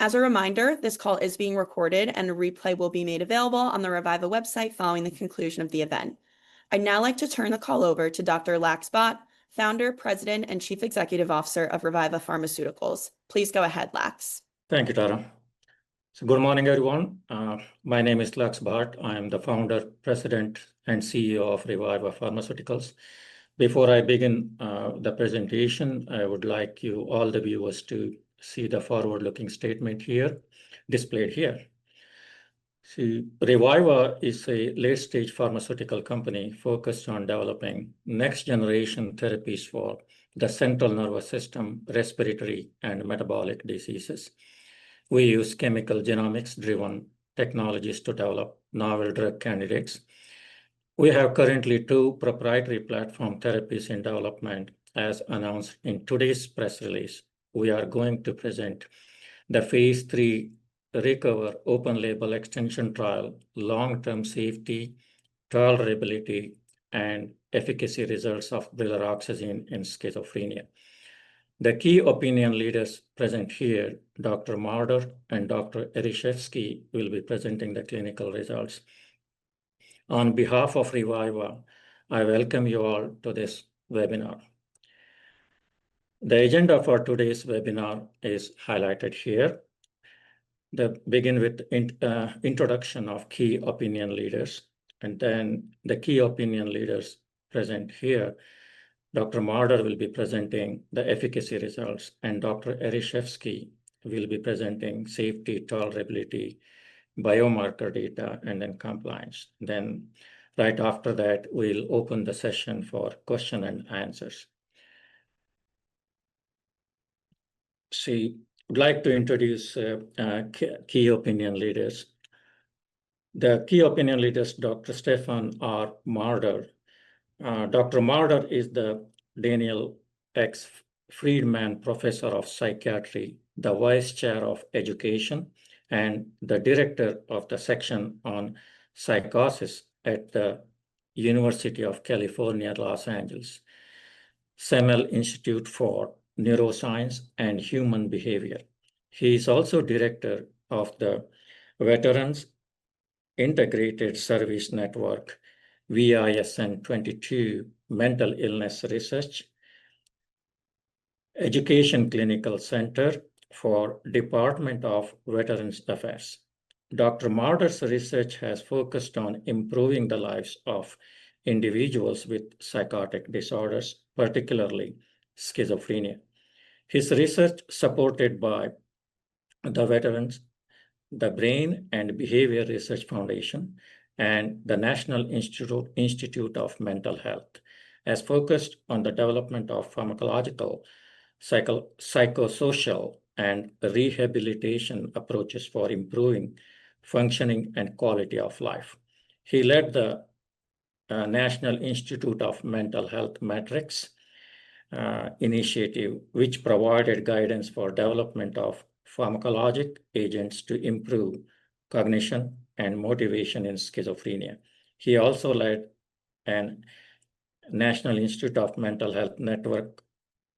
As a reminder, this call is being recorded, and a replay will be made available on the Reviva website following the conclusion of the event. I'd now like to turn the call over to Dr. Lax Bhat, Founder, President, and Chief Executive Officer of Reviva Pharmaceuticals. Please go ahead, Lax. Thank you, Tara. Good morning, everyone. My name is Lax Bhat. I am the Founder, President, and CEO of Reviva Pharmaceuticals. Before I begin the presentation, I would like all the viewers to see the forward-looking statement displayed here. Reviva is a late-stage pharmaceutical company focused on developing next-generation therapies for the central nervous system, respiratory, and metabolic diseases. We use chemical genomics-driven technologies to develop novel drug candidates. We currently have two proprietary platform therapies in development, as announced in today's press release. We are going to present the phase III RECOVER open-label extension trial, long-term safety, tolerability, and efficacy results of brilaroxazine in schizophrenia. The key opinion leaders present here, Dr. Marder and Dr. Ereshefsky, will be presenting the clinical results. On behalf of Reviva, I welcome you all to this webinar. The agenda for today's webinar is highlighted here. They begin with the introduction of key opinion leaders, and then the key opinion leaders present here. Dr. Marder will be presenting the efficacy results, and Dr. Ereshefsky will be presenting safety, tolerability, biomarker data, and then compliance. Then, right after that, we'll open the session for questions and answers. See, I'd like to introduce key opinion leaders. The key opinion leaders, Dr. Stephen R. Marder. Dr. Marder is the Daniel X. Freedman Professor of Psychiatry, the Vice Chair of Education, and the Director of the Section on Psychosis at the University of California Los Angeles, Semel Institute for Neuroscience and Human Behavior. He is also Director of the Veterans Integrated Service Network, VISN, 22 Mental Illness Research Education Clinical Center for the Department of Veterans Affairs. Dr. Marder's research has focused on improving the lives of individuals with psychotic disorders, particularly schizophrenia. His research, supported by the Veterans, the Brain and Behavior Research Foundation, and the National Institute of Mental Health, has focused on the development of pharmacological, psychosocial, and rehabilitation approaches for improving functioning and quality of life. He led the National Institute of Mental Health Metrics Initiative, which provided guidance for the development of pharmacologic agents to improve cognition and motivation in schizophrenia. He also led the National Institute of Mental Health Network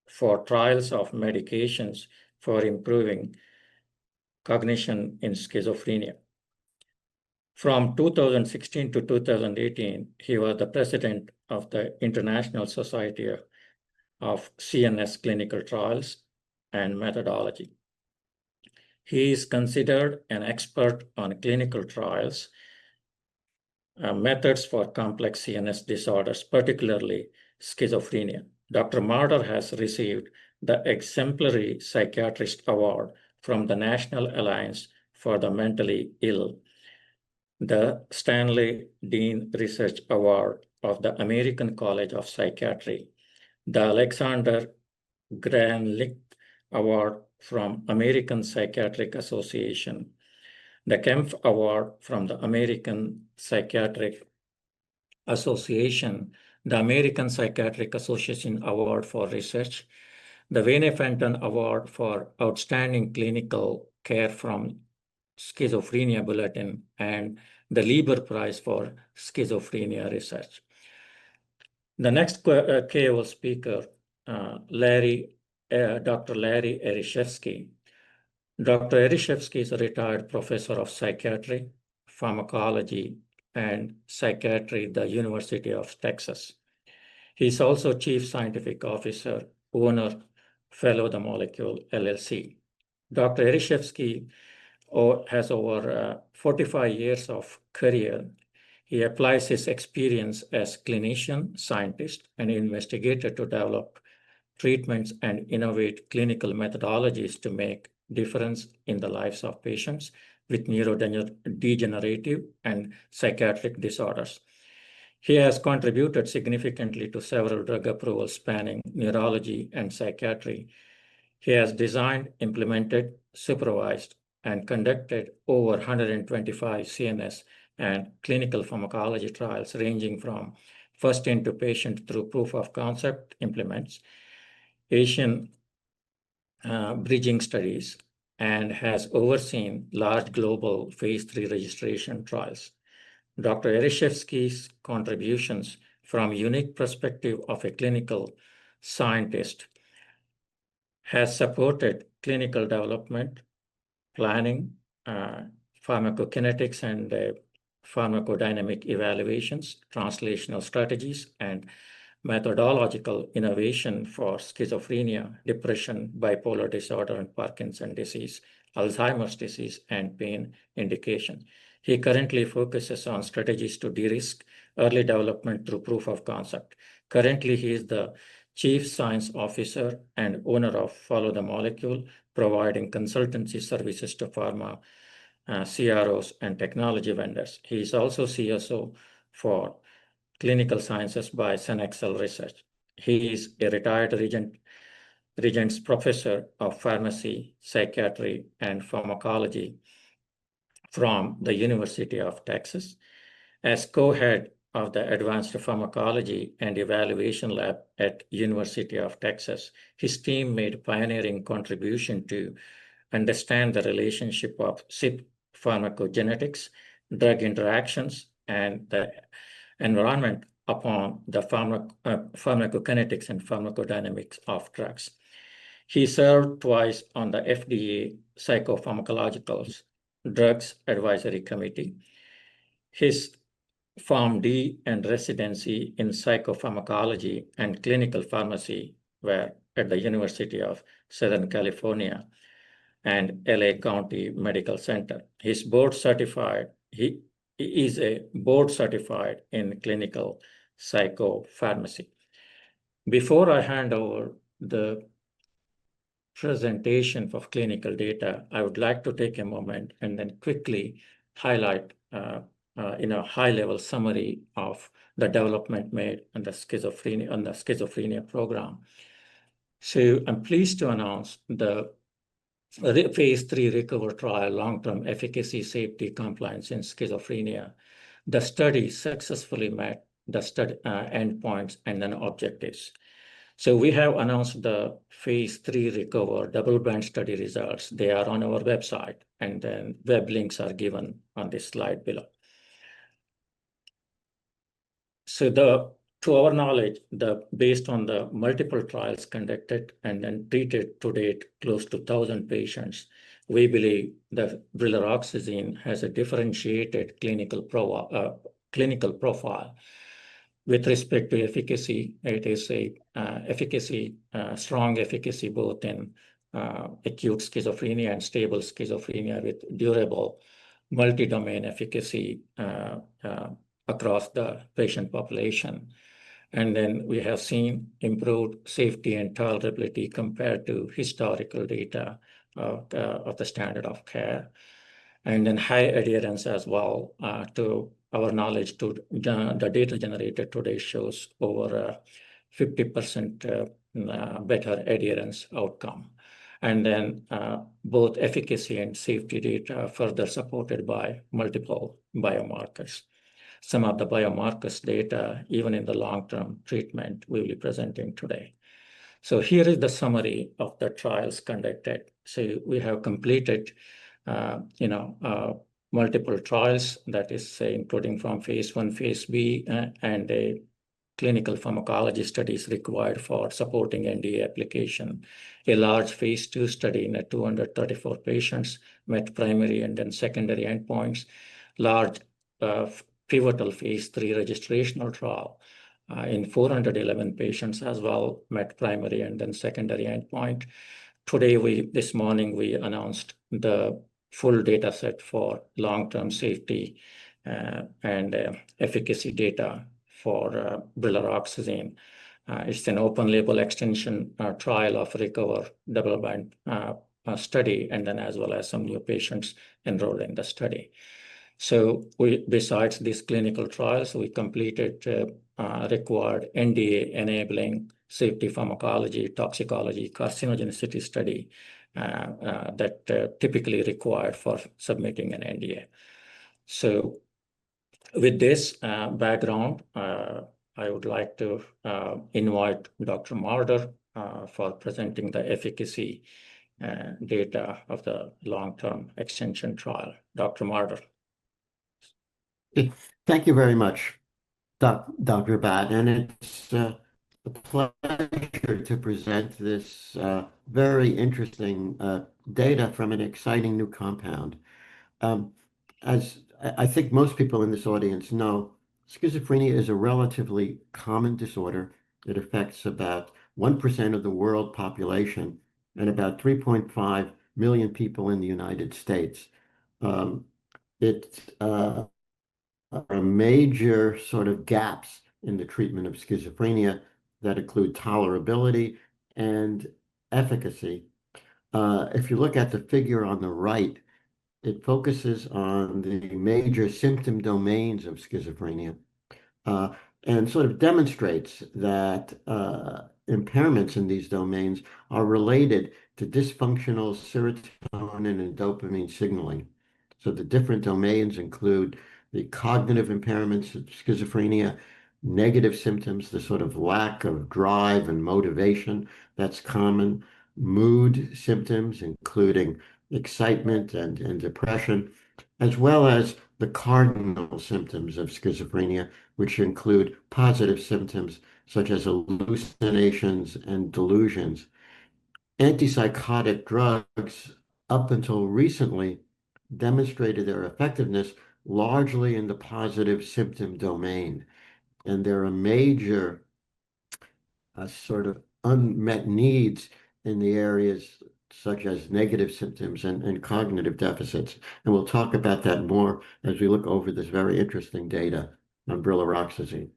for trials of medications for improving cognition in schizophrenia. From 2016-2018, he was the President of the International Society of CNS Clinical Trials and Methodology. He is considered an expert on clinical trials and methods for complex CNS disorders, particularly schizophrenia. Dr. Marder has received the Exemplary Psychiatrist Award from the National Alliance on Mental Illness, the Stanley Dean Research Award of the American College of Psychiatry, the Alexander Gralnick Award from the American Psychiatric Association, the Kempf Award from the American Psychiatric Association, the American Psychiatric Association Award for Research, the Wayne Fenton Award for Outstanding Clinical Care from Schizophrenia Bulletin, and the Lieber Prize for Schizophrenia Research. The next KOL speaker, Dr. Larry Ereshefsky. Dr. Ereshefsky is a retired Professor of Psychiatry, Pharmacology, and Psychiatry at the University of Texas. He's also Chief Scientific Officer, Owner of Follow the Molecule LLC. Dr. Ereshefsky has over 45 years of career. He applies his experience as a clinician, scientist, and investigator to develop treatments and innovate clinical methodologies to make a difference in the lives of patients with neurodegenerative and psychiatric disorders. He has contributed significantly to several drug approvals spanning neurology and psychiatry. He has designed, implemented, supervised, and conducted over 125 CNS and clinical pharmacology trials ranging from first-in-the-patient through proof-of-concept implements, patient bridging studies, and has overseen large global phase III registration trials. Dr. Ereshefsky's contributions from a unique perspective of a clinical scientist have supported clinical development, planning, pharmacokinetics, and pharmacodynamic evaluations, translational strategies, and methodological innovation for schizophrenia, depression, bipolar disorder, and Parkinson's disease, Alzheimer's disease, and pain indication. He currently focuses on strategies to de-risk early development through proof-of-concept. Currently, he is the Chief Scientific Officer and owner of Follow the Molecule, providing consultancy services to pharma CROs and technology vendors. He is also CSO for clinical sciences by CenExel Research. He is a retired Regents Professor of Pharmacy, Psychiatry, and Pharmacology from the University of Texas. As co-head of the Advanced Pharmacology and Evaluation Lab at the University of Texas, his team made pioneering contributions to understand the relationship of pharmacogenetics, drug interactions, and the environment upon the pharmacokinetics and pharmacodynamics of drugs. He served twice on the FDA Psychopharmacological Drugs Advisory Committee. His PharmD and residency in Psychopharmacology and Clinical Pharmacy were at the University of Southern California and LA County Medical Center. He is board-certified in clinical psychopharmacy. Before I hand over the presentation of clinical data, I would like to take a moment and then quickly highlight a high-level summary of the development made on the schizophrenia program. I'm pleased to announce the phase III RECOVER trial long-term efficacy, safety, compliance, and schizophrenia. The study successfully met the endpoints and objectives. We have announced the phase III RECOVER double-blind study results. They are on our website, and then web links are given on this slide below. To our knowledge, based on the multiple trials conducted and then treated to date, close to 1,000 patients, we believe that brilaroxazine has a differentiated clinical profile. With respect to efficacy, it is a strong efficacy both in acute schizophrenia and stable schizophrenia with durable multi-domain efficacy across the patient population. We have seen improved safety and tolerability compared to historical data of the standard of care. High adherence as well. To our knowledge, the data generated today shows over a 50% better adherence outcome. Both efficacy and safety data are further supported by multiple biomarkers. Some of the biomarkers data, even in the long-term treatment, we'll be presenting today. Here is the summary of the trials conducted. We have completed multiple trials, that is, including from phase I, phase II-b, and the clinical pharmacology studies required for supporting NDA application. A large phase II study in 234 patients met primary and then secondary endpoints. Large pivotal phase III registration trial in 411 patients as well met primary and then secondary endpoint. Today, this morning, we announced the full data set for long-term safety and efficacy data for brilaroxazine. It's an open-label extension trial of RECOVER double-blind study, and then as well as some new patients enrolled in the study. Besides these clinical trials, we completed required NDA-enabling safety pharmacology, toxicology, carcinogenicity study that typically required for submitting an NDA. With this background, I would like to invite Dr. Marder for presenting the efficacy data of the long-term extension trial. Dr. Marder. Thank you very much, Dr. Bhat. It's a pleasure to present this very interesting data from an exciting new compound. As I think most people in this audience know, schizophrenia is a relatively common disorder. It affects about 1% of the world population and about 3.5 million people in the United States. There are major sort of gaps in the treatment of schizophrenia that include tolerability and efficacy. If you look at the figure on the right, it focuses on the major symptom domains of schizophrenia and sort of demonstrates that impairments in these domains are related to dysfunctional serotonin and dopamine signaling. The different domains include the cognitive impairments of schizophrenia, negative symptoms, the sort of lack of drive and motivation that's common, mood symptoms including excitement and depression, as well as the cardinal symptoms of schizophrenia, which include positive symptoms such as hallucinations and delusions. Antipsychotic drugs, up until recently, demonstrated their effectiveness largely in the positive symptom domain. There are major sort of unmet needs in the areas such as negative symptoms and cognitive deficits. We'll talk about that more as we look over this very interesting data on brilaroxazine.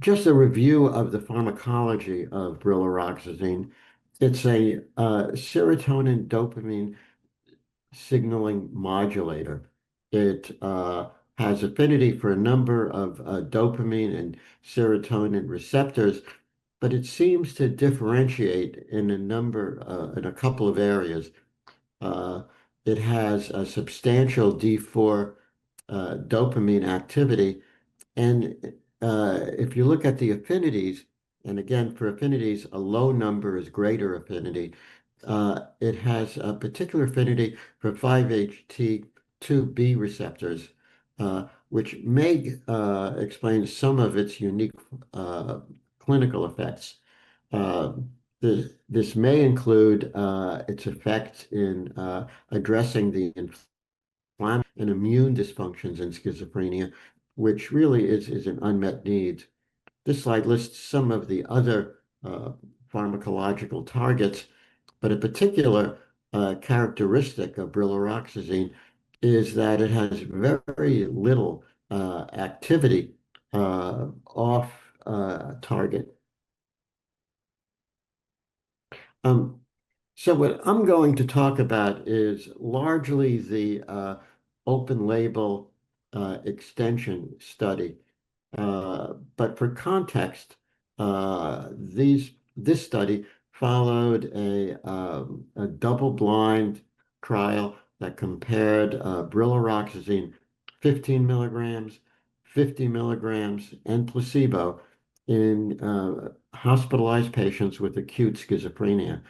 Just a review of the pharmacology of brilaroxazine. It's a serotonin-dopamine signaling modulator. It has affinity for a number of dopamine and serotonin receptors, but it seems to differentiate in a number, in a couple of areas. It has a substantial D4 dopamine activity. If you look at the affinities, and again, for affinities, a low number is greater affinity. It has a particular affinity for 5-HT2B receptors, which may explain some of its unique clinical effects. This may include its effects in addressing the inflammatory and immune dysfunctions in schizophrenia, which really is an unmet need. This slide lists some of the other pharmacological targets, but a particular characteristic of brilaroxazine is that it has very little activity off-target. What I'm going to talk about is largely the open-label extension study. For context, this study followed a double-blind trial that compared brilaroxazine 15 mgs, 50 mgs, and placebo in hospitalized patients with acute schizophrenia.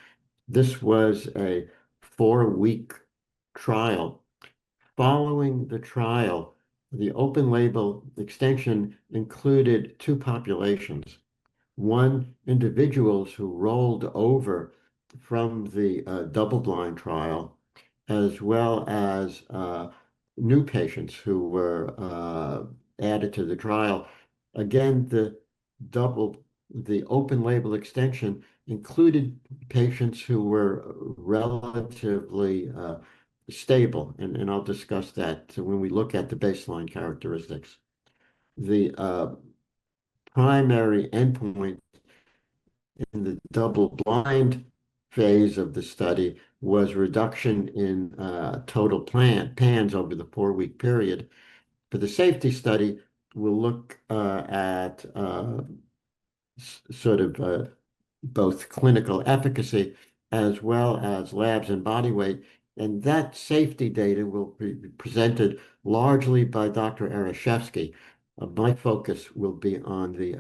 This was a four-week trial. Following the trial, the open-label extension included two populations. One, individuals who rolled over from the double-blind trial, as well as new patients who were added to the trial. Again, the open-label extension included patients who were relatively stable, and I'll discuss that when we look at the baseline characteristics. The primary endpoint in the double-blind phase of the study was reduction in total PANSS over the four-week period. For the safety study, we'll look at sort of both clinical efficacy as well as labs and body weight. That safety data will be presented largely by Dr. Ereshefsky. My focus will be on the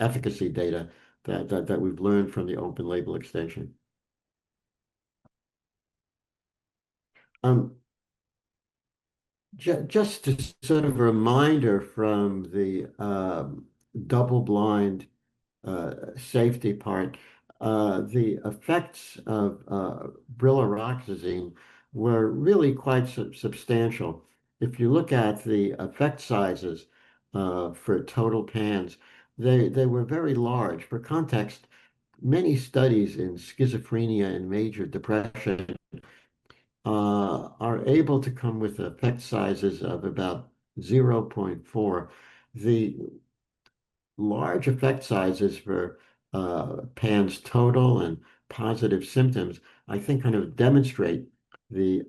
efficacy data that we've learned from the open-label extension. Just to serve a reminder from the double-blind safety part, the effects of brilaroxazine were really quite substantial. If you look at the effect sizes for total PANSS, they were very large. For context, many studies in schizophrenia and major depression are able to come with effect sizes of about 0.4. The large effect sizes for PANSS total and positive symptoms, I think, kind of demonstrate the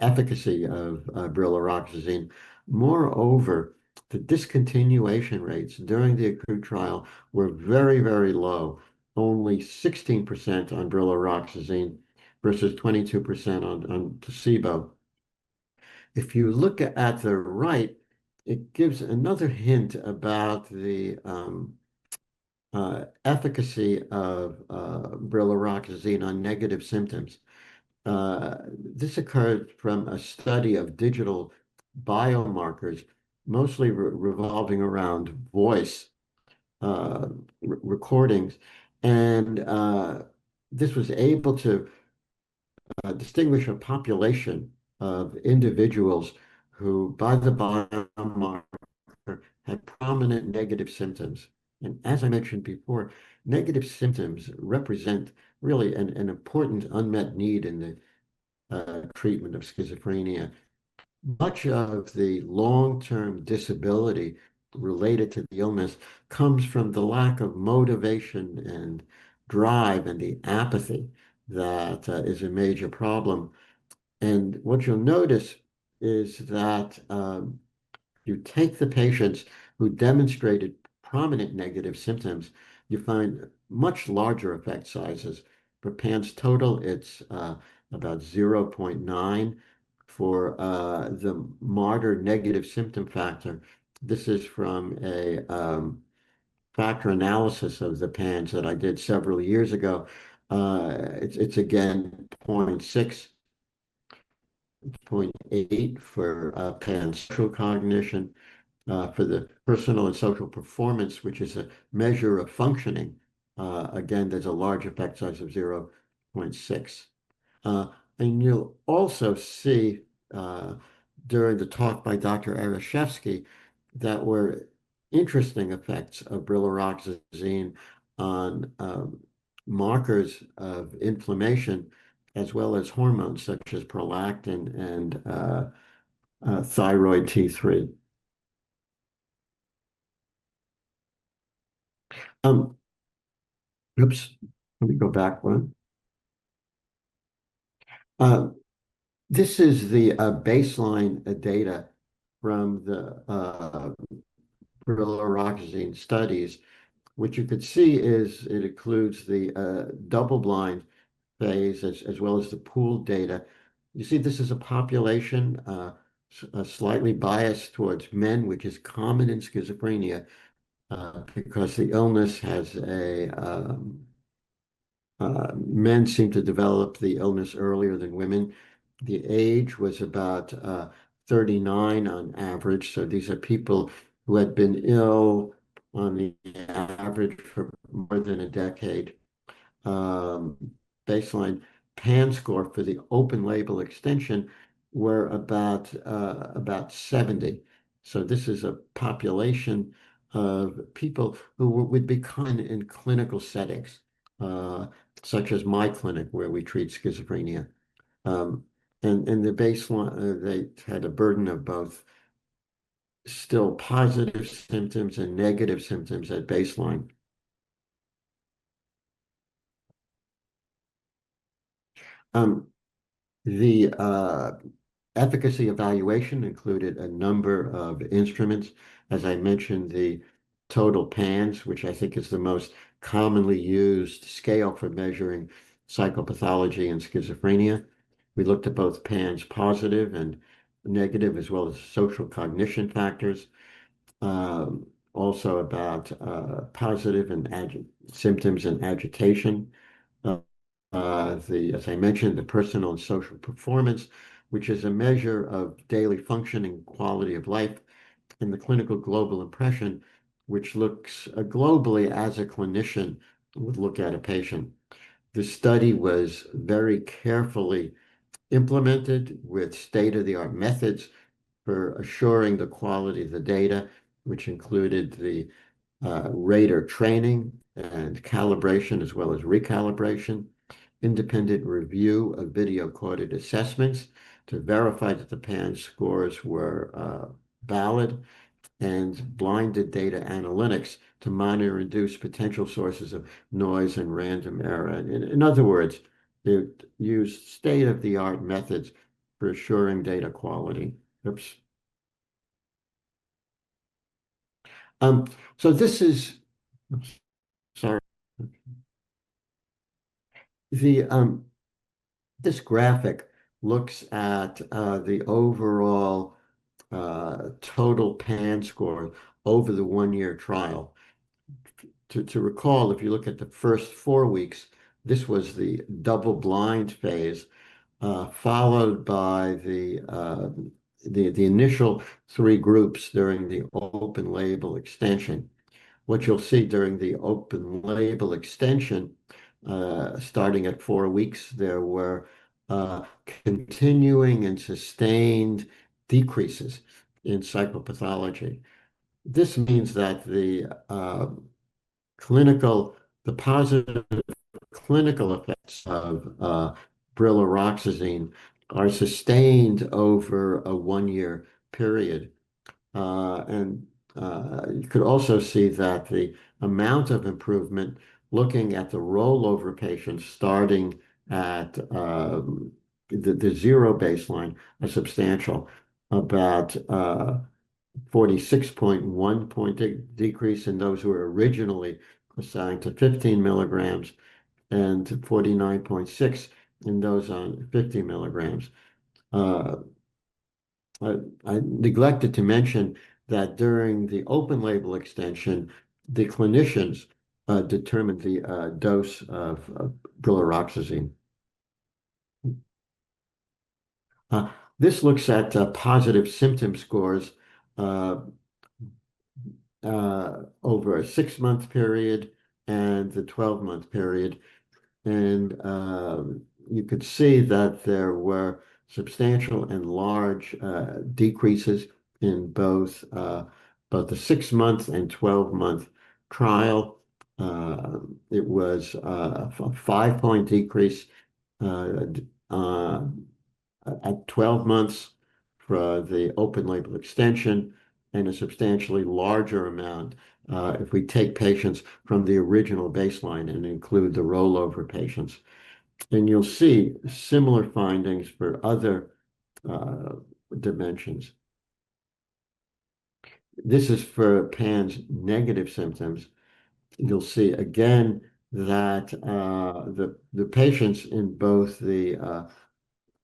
efficacy of brilaroxazine. Moreover, the discontinuation rates during the acute trial were very, very low, only 16% on brilaroxazine versus 22% on placebo. If you look at the right, it gives another hint about the efficacy of brilaroxazine on negative symptoms. This occurred from a study of digital biomarkers, mostly revolving around voice recordings. This was able to distinguish a population of individuals who, by the biomarker, had prominent negative symptoms. As I mentioned before, negative symptoms represent really an important unmet need in the treatment of schizophrenia. Much of the long-term disability related to the illness comes from the lack of motivation and drive and the apathy that is a major problem. What you'll notice is that if you take the patients who demonstrated prominent negative symptoms, you find much larger effect sizes. For PANSS total, it's about 0.9. For the Marder Negative Symptom Factor, this is from a factor analysis of the PANSS that I did several years ago. It's again 0.6, 0.8 for PANSS. Social cognition, for the personal and social performance, which is a measure of functioning, again, there's a large effect size of 0.6. You'll also see during the talk by Dr. Ereshefsky that there were interesting effects of brilaroxazine on markers of inflammation, as well as hormones such as prolactin and thyroid T3. Oops, let me go back one. This is the baseline data from the brilaroxazine studies. What you could see is it includes the double-blind phase as well as the pooled data. You see this is a population slightly biased towards men, which is common in schizophrenia because the illness has men seem to develop the illness earlier than women. The age was about 39 on average. These are people who had been ill on the average for more than a decade. Baseline PANSS score for the open-label extension were about 70. This is a population of people who would be kind of in clinical settings, such as my clinic where we treat schizophrenia. At baseline, they had a burden of both still positive symptoms and negative symptoms at baseline. The efficacy evaluation included a number of instruments. As I mentioned, the total PANSS, which I think is the most commonly used scale for measuring psychopathology in schizophrenia. We looked at both PANSS positive and negative, as well as social cognition factors. Also about positive symptoms and agitation. As I mentioned, the personal and social performance, which is a measure of daily function and quality of life, and the clinical global impression, which looks globally as a clinician would look at a patient. The study was very carefully implemented with state-of-the-art methods for assuring the quality of the data, which included the rater training and calibration, as well as recalibration, independent review of video coded assessments to verify that the PANSS scores were valid, and blinded data analytics to monitor and reduce potential sources of noise and random error. In other words, it used state-of-the-art methods for assuring data quality. Oops. Sorry. This graphic looks at the overall total PANSS score over the one-year trial. To recall, if you look at the first four weeks, this was the double-blind phase, followed by the initial three groups during the open-label extension. What you'll see during the open-label extension, starting at four weeks, there were continuing and sustained decreases in psychopathology. This means that the positive clinical effects of brilaroxazine are sustained over a one-year period. You could also see that the amount of improvement, looking at the rollover patients starting at the zero baseline, is substantial, about 46.1 point decrease in those who were originally assigned to 15 mgs and 49.6 in those on 50 mgs. I neglected to mention that during the open-label extension, the clinicians determined the dose of brilaroxazine. This looks at positive symptom scores over a six-month period and the 12-month period. You could see that there were substantial and large decreases in both the six-month and 12-month trial. It was a five-point decrease at 12 months for the open-label extension and a substantially larger amount if we take patients from the original baseline and include the rollover patients. You'll see similar findings for other dimensions. This is for PANSS negative symptoms. You'll see again that the patients in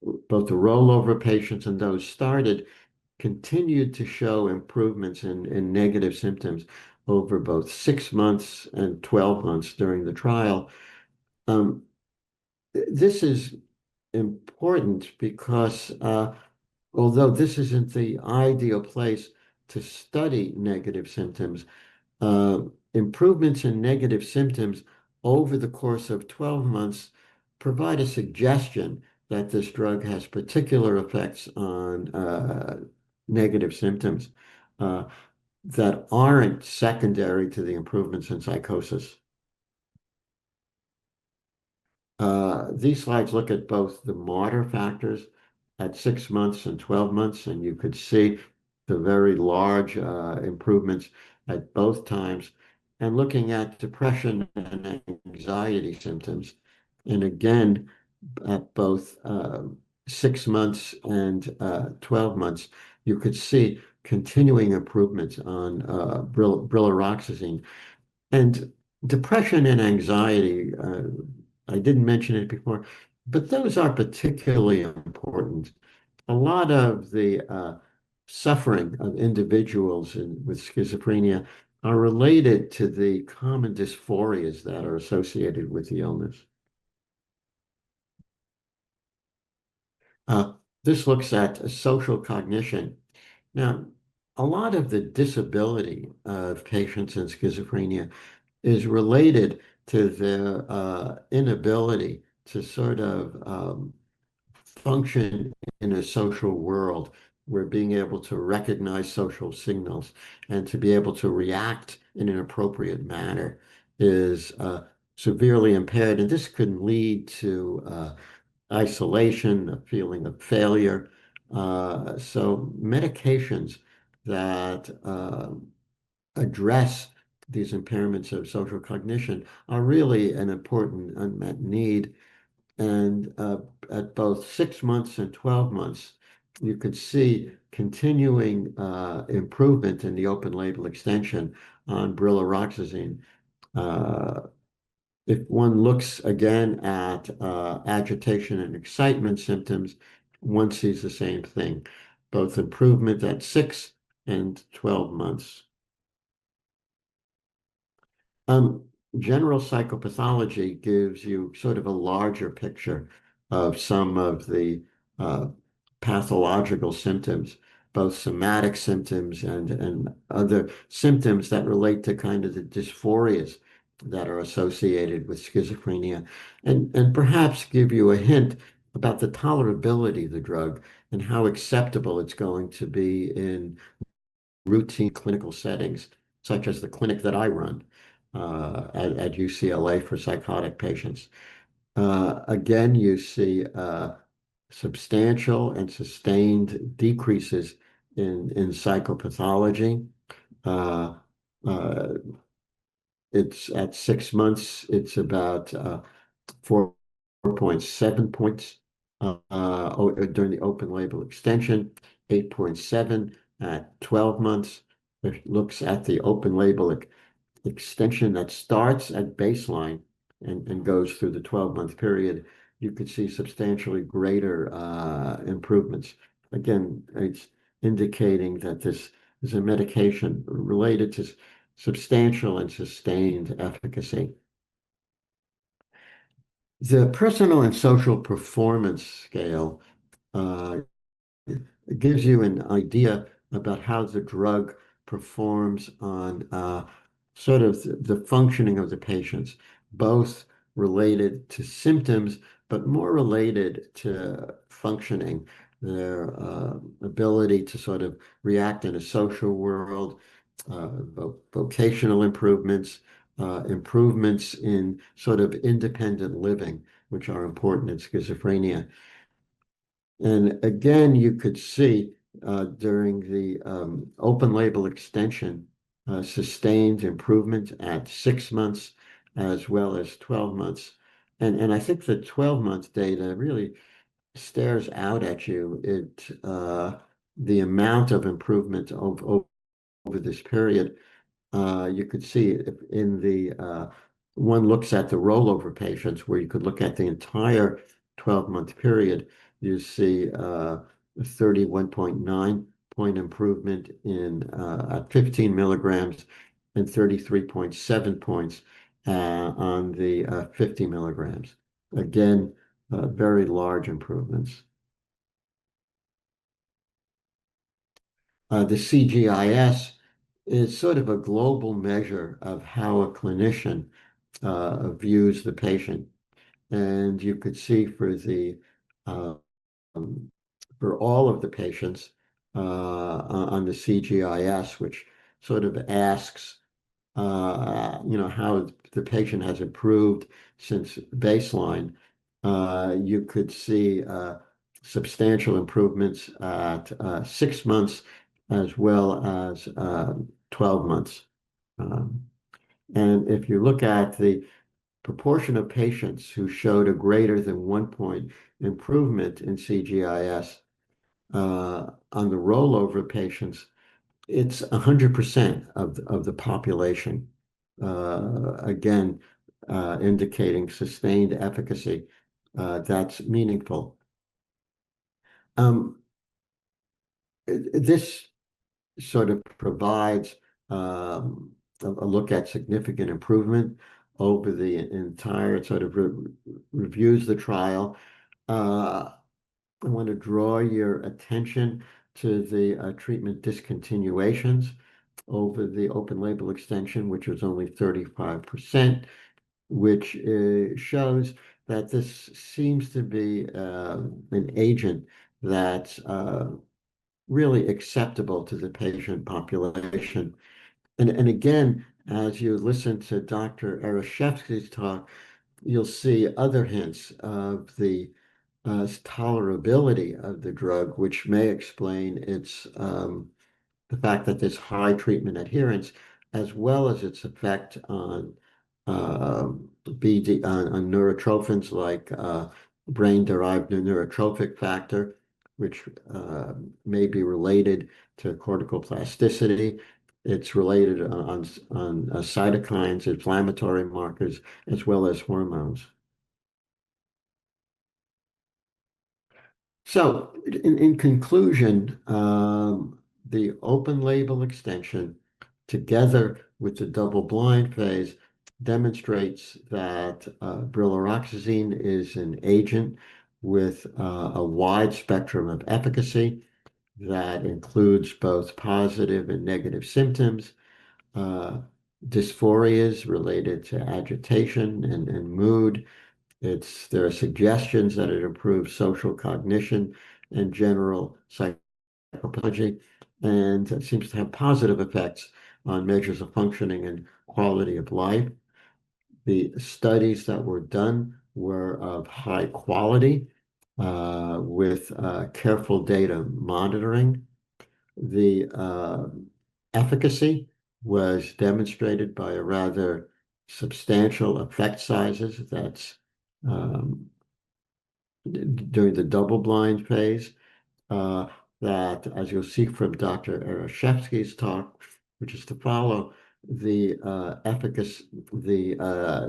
both the rollover patients and those started continued to show improvements in negative symptoms over both six months and 12 months during the trial. This is important because although this isn't the ideal place to study negative symptoms, improvements in negative symptoms over the course of 12 months provide a suggestion that this drug has particular effects on negative symptoms that aren't secondary to the improvements in psychosis. These slides look at both the Marder factors at six months and 12 months, and you could see the very large improvements at both times. Looking at depression and anxiety symptoms, and again, at both six months and 12 months, you could see continuing improvements on brilaroxazine. Depression and anxiety, I didn't mention it before, but those are particularly important. A lot of the suffering of individuals with schizophrenia are related to the common dysphorias that are associated with the illness. This looks at social cognition. Now, a lot of the disability of patients in schizophrenia is related to their inability to sort of function in a social world where being able to recognize social signals and to be able to react in an appropriate manner is severely impaired. This can lead to isolation, a feeling of failure. Medications that address these impairments of social cognition are really an important unmet need. At both six months and 12 months, you could see continuing improvement in the open-label extension on brilaroxazine. If one looks again at agitation and excitement symptoms, one sees the same thing, both improvement at six and 12 months. General psychopathology gives you sort of a larger picture of some of the pathological symptoms, both somatic symptoms and other symptoms that relate to kind of the dysphorias that are associated with schizophrenia, and perhaps give you a hint about the tolerability of the drug and how acceptable it's going to be in routine clinical settings, such as the clinic that I run at UCLA for psychotic patients. Again, you see substantial and sustained decreases in psychopathology. At six months, it's about 4.7 points during the open-label extension, 8.7 at 12 months. It looks at the open-label extension that starts at baseline and goes through the 12-month period. You could see substantially greater improvements. Again, it's indicating that this is a medication related to substantial and sustained efficacy. The personal and social performance scale gives you an idea about how the drug performs on sort of the functioning of the patients, both related to symptoms, but more related to functioning, their ability to sort of react in a social world, vocational improvements, improvements in sort of independent living, which are important in schizophrenia. You could see during the open-label extension, sustained improvement at six months as well as 12 months. I think the 12-month data really stares out at you, the amount of improvement over this period. You could see in the one looks at the rollover patients where you could look at the entire 12-month period, you see 31.9 point improvement at 15 mgs and 33.7 points on the 50 mgs. Again, very large improvements. The CGI-S is sort of a global measure of how a clinician views the patient. You could see for all of the patients on the CGI-S, which sort of asks how the patient has improved since baseline. You could see substantial improvements at six months as well as 12 months. If you look at the proportion of patients who showed a greater than one point improvement in CGI-S on the rollover patients, it's 100% of the population, again, indicating sustained efficacy that's meaningful. This sort of provides a look at significant improvement over the entire sort of reviews the trial. I want to draw your attention to the treatment discontinuations over the open-label extension, which was only 35%, which shows that this seems to be an agent that's really acceptable to the patient population. Again, as you listen to Dr. Ereshefsky's talk, you'll see other hints of the tolerability of the drug, which may explain the fact that there's high treatment adherence, as well as its effect on neurotrophins like brain-derived neurotrophic factor, which may be related to cortical plasticity. It's related on cytokines, inflammatory markers, as well as hormones. In conclusion, the open-label extension, together with the double-blind phase, demonstrates that brilaroxazine is an agent with a wide spectrum of efficacy that includes both positive and negative symptoms, dysphorias related to agitation and mood. There are suggestions that it improves social cognition and general psychopathology, and it seems to have positive effects on measures of functioning and quality of life. The studies that were done were of high quality with careful data monitoring. The efficacy was demonstrated by rather substantial effect sizes during the double-blind phase that, as you'll see from Dr. Ereshefsky's talk, which is to follow, the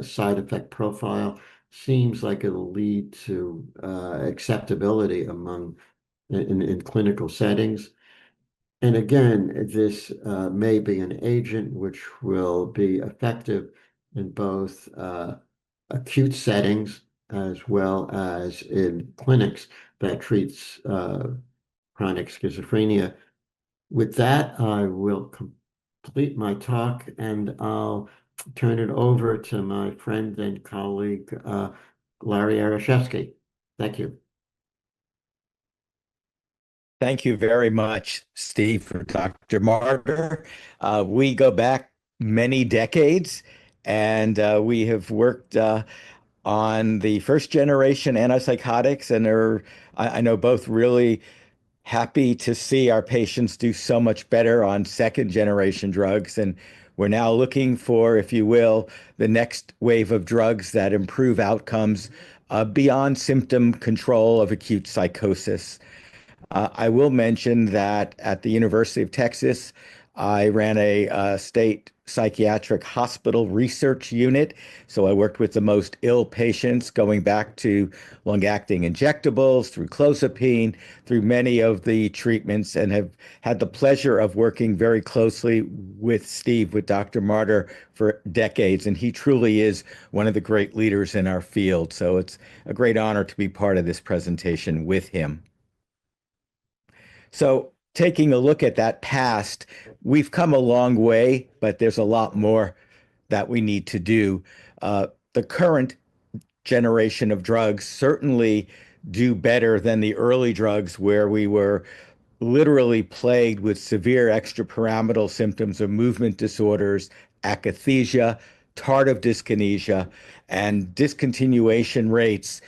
side effect profile seems like it'll lead to acceptability in clinical settings. Again, this may be an agent which will be effective in both acute settings as well as in clinics that treat chronic schizophrenia. With that, I will complete my talk, and I'll turn it over to my friend and colleague, Larry Ereshefsky. Thank you. Thank you very much, Steve, for Dr. Marder. We go back many decades, and we have worked on the first-generation antipsychotics, and I know both really happy to see our patients do so much better on second-generation drugs. We're now looking for, if you will, the next wave of drugs that improve outcomes beyond symptom control of acute psychosis. I will mention that at the University of Texas, I ran a state psychiatric hospital research unit. I worked with the most ill patients, going back to long-acting injectables, through clozapine, through many of the treatments, and have had the pleasure of working very closely with Steve, with Dr. Martin, for decades. He truly is one of the great leaders in our field. It is a great honor to be part of this presentation with him. Taking a look at that past, we've come a long way, but there's a lot more that we need to do. The current generation of drugs certainly do better than the early drugs where we were literally plagued with severe extrapyramidal symptoms of movement disorders, akathisia, tardive dyskinesia, and discontinuation rates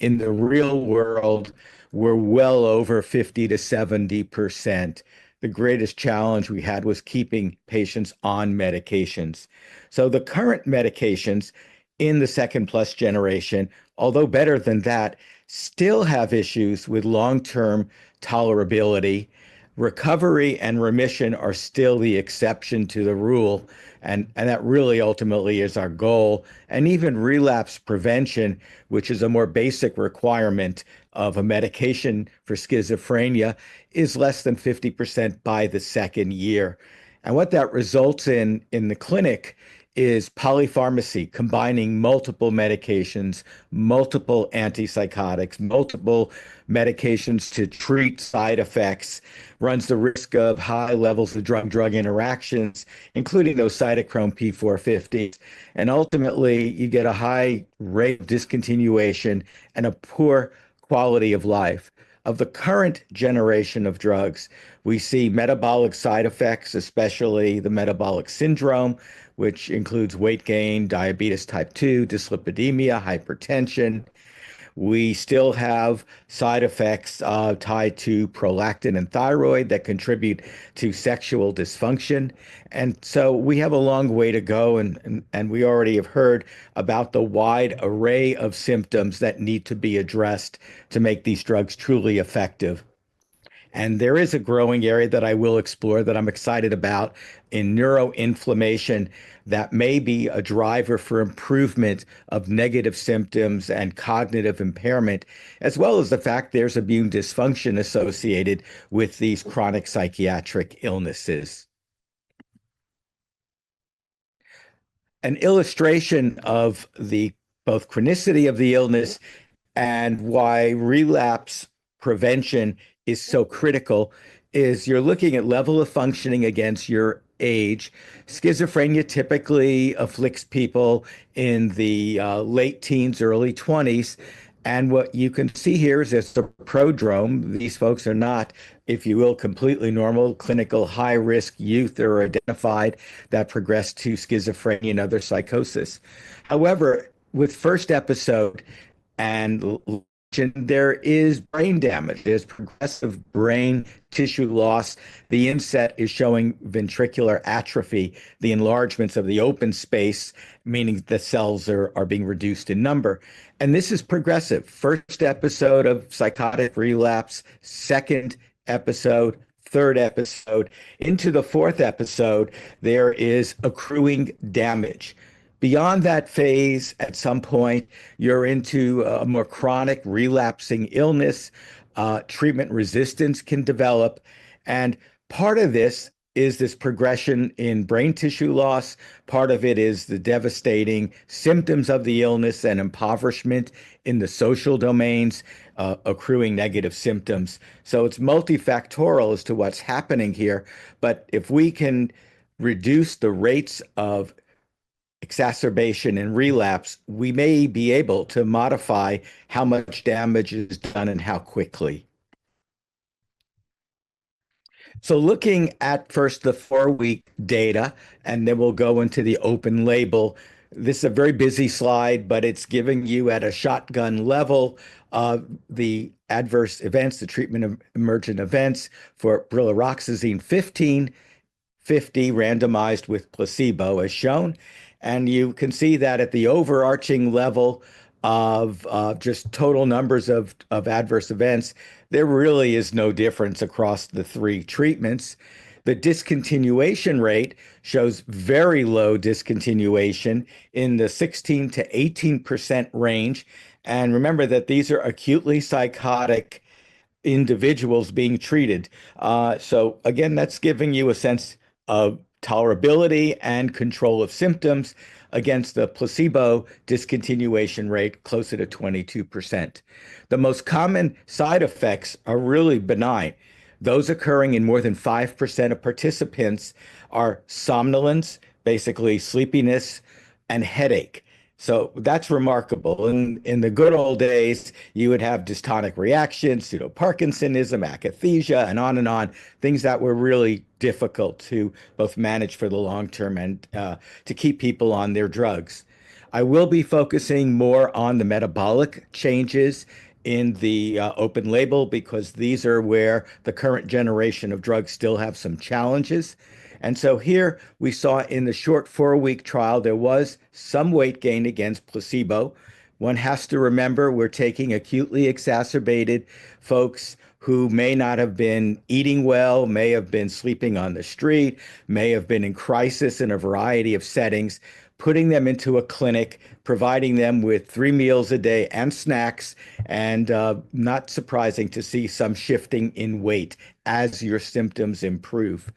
in the real world were well over 50%-70%. The greatest challenge we had was keeping patients on medications. The current medications in the second-plus generation, although better than that, still have issues with long-term tolerability. Recovery and remission are still the exception to the rule, and that really ultimately is our goal. Even relapse prevention, which is a more basic requirement of a medication for schizophrenia, is less than 50% by the second year. What that results in in the clinic is polypharmacy, combining multiple medications, multiple antipsychotics, multiple medications to treat side effects, runs the risk of high levels of drug-drug interactions, including those cytochrome P450s. Ultimately, you get a high rate of discontinuation and a poor quality of life. Of the current generation of drugs, we see metabolic side effects, especially the metabolic syndrome, which includes weight gain, diabetes type two, dyslipidemia, hypertension. We still have side effects tied to prolactin and thyroid that contribute to sexual dysfunction. We have a long way to go, and we already have heard about the wide array of symptoms that need to be addressed to make these drugs truly effective. There is a growing area that I will explore that I'm excited about in neuroinflammation that may be a driver for improvement of negative symptoms and cognitive impairment, as well as the fact there's immune dysfunction associated with these chronic psychiatric illnesses. An illustration of both chronicity of the illness and why relapse prevention is so critical is you're looking at level of functioning against your age. Schizophrenia typically afflicts people in the late teens, early 20s. What you can see here is it's the prodrome. These folks are not, if you will, completely normal clinical high-risk youth that are identified that progress to schizophrenia and other psychosis. However, with first episode and there is brain damage, there's progressive brain tissue loss. The inset is showing ventricular atrophy, the enlargements of the open space, meaning the cells are being reduced in number. This is progressive. First episode of psychotic relapse, second episode, third episode. Into the fourth episode, there is accruing damage. Beyond that phase, at some point, you're into a more chronic relapsing illness. Treatment resistance can develop. Part of this is this progression in brain tissue loss. Part of it is the devastating symptoms of the illness and impoverishment in the social domains, accruing negative symptoms. It's multifactorial as to what's happening here. If we can reduce the rates of exacerbation and relapse, we may be able to modify how much damage is done and how quickly. Looking at first the four-week data, and then we'll go into the open label. This is a very busy slide, but it's giving you at a shotgun level of the adverse events, the treatment emergent events for brilaroxazine 15, 50 randomized with placebo, as shown. You can see that at the overarching level of just total numbers of adverse events, there really is no difference across the three treatments. The discontinuation rate shows very low discontinuation in the 16-18% range. Remember that these are acutely psychotic individuals being treated. That's giving you a sense of tolerability and control of symptoms against the placebo discontinuation rate, closer to 22%. The most common side effects are really benign. Those occurring in more than 5% of participants are somnolence, basically sleepiness, and headache. That's remarkable. In the good old days, you would have dystonic reactions, pseudoparkinsonism, akathisia, and on and on, things that were really difficult to both manage for the long term and to keep people on their drugs. I will be focusing more on the metabolic changes in the open label because these are where the current generation of drugs still have some challenges. Here we saw in the short four-week trial, there was some weight gain against placebo. One has to remember we're taking acutely exacerbated folks who may not have been eating well, may have been sleeping on the street, may have been in crisis in a variety of settings, putting them into a clinic, providing them with three meals a day and snacks, and not surprising to see some shifting in weight as your symptoms improve.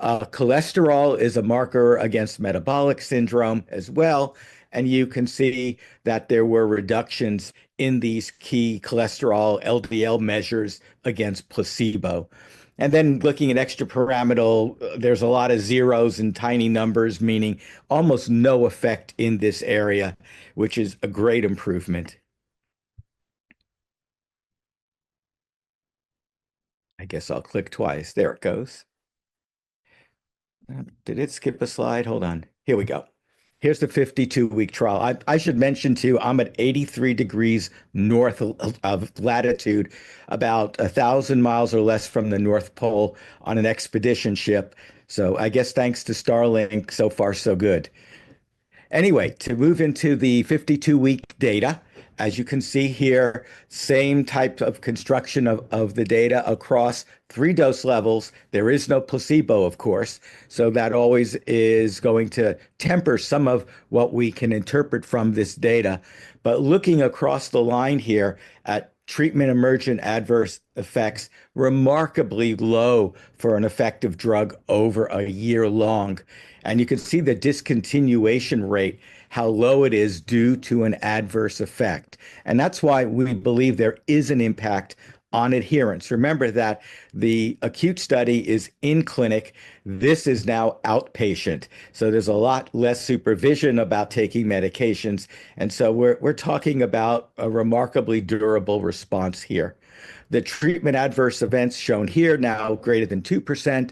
Cholesterol is a marker against metabolic syndrome as well. You can see that there were reductions in these key cholesterol LDL measures against placebo. Then looking at extrapyramidal, there are a lot of zeros and tiny numbers, meaning almost no effect in this area, which is a great improvement. I guess I'll click twice. There it goes. Did it skip a slide? Hold on. Here we go. Here's the 52-week trial. I should mention to you, I'm at 83 degrees north of latitude, about 1,000 miles or less from the North Pole on an expedition ship. I guess thanks to Starlink, so far, so good. Anyway, to move into the 52-week data, as you can see here, same type of construction of the data across three dose levels. There is no placebo, of course. That always is going to temper some of what we can interpret from this data. Looking across the line here at treatment emergent adverse effects, remarkably low for an effective drug over a year long. You can see the discontinuation rate, how low it is due to an adverse effect. That is why we believe there is an impact on adherence. Remember that the acute study is in clinic. This is now outpatient. There is a lot less supervision about taking medications. We are talking about a remarkably durable response here. The treatment adverse events shown here now, greater than 2%,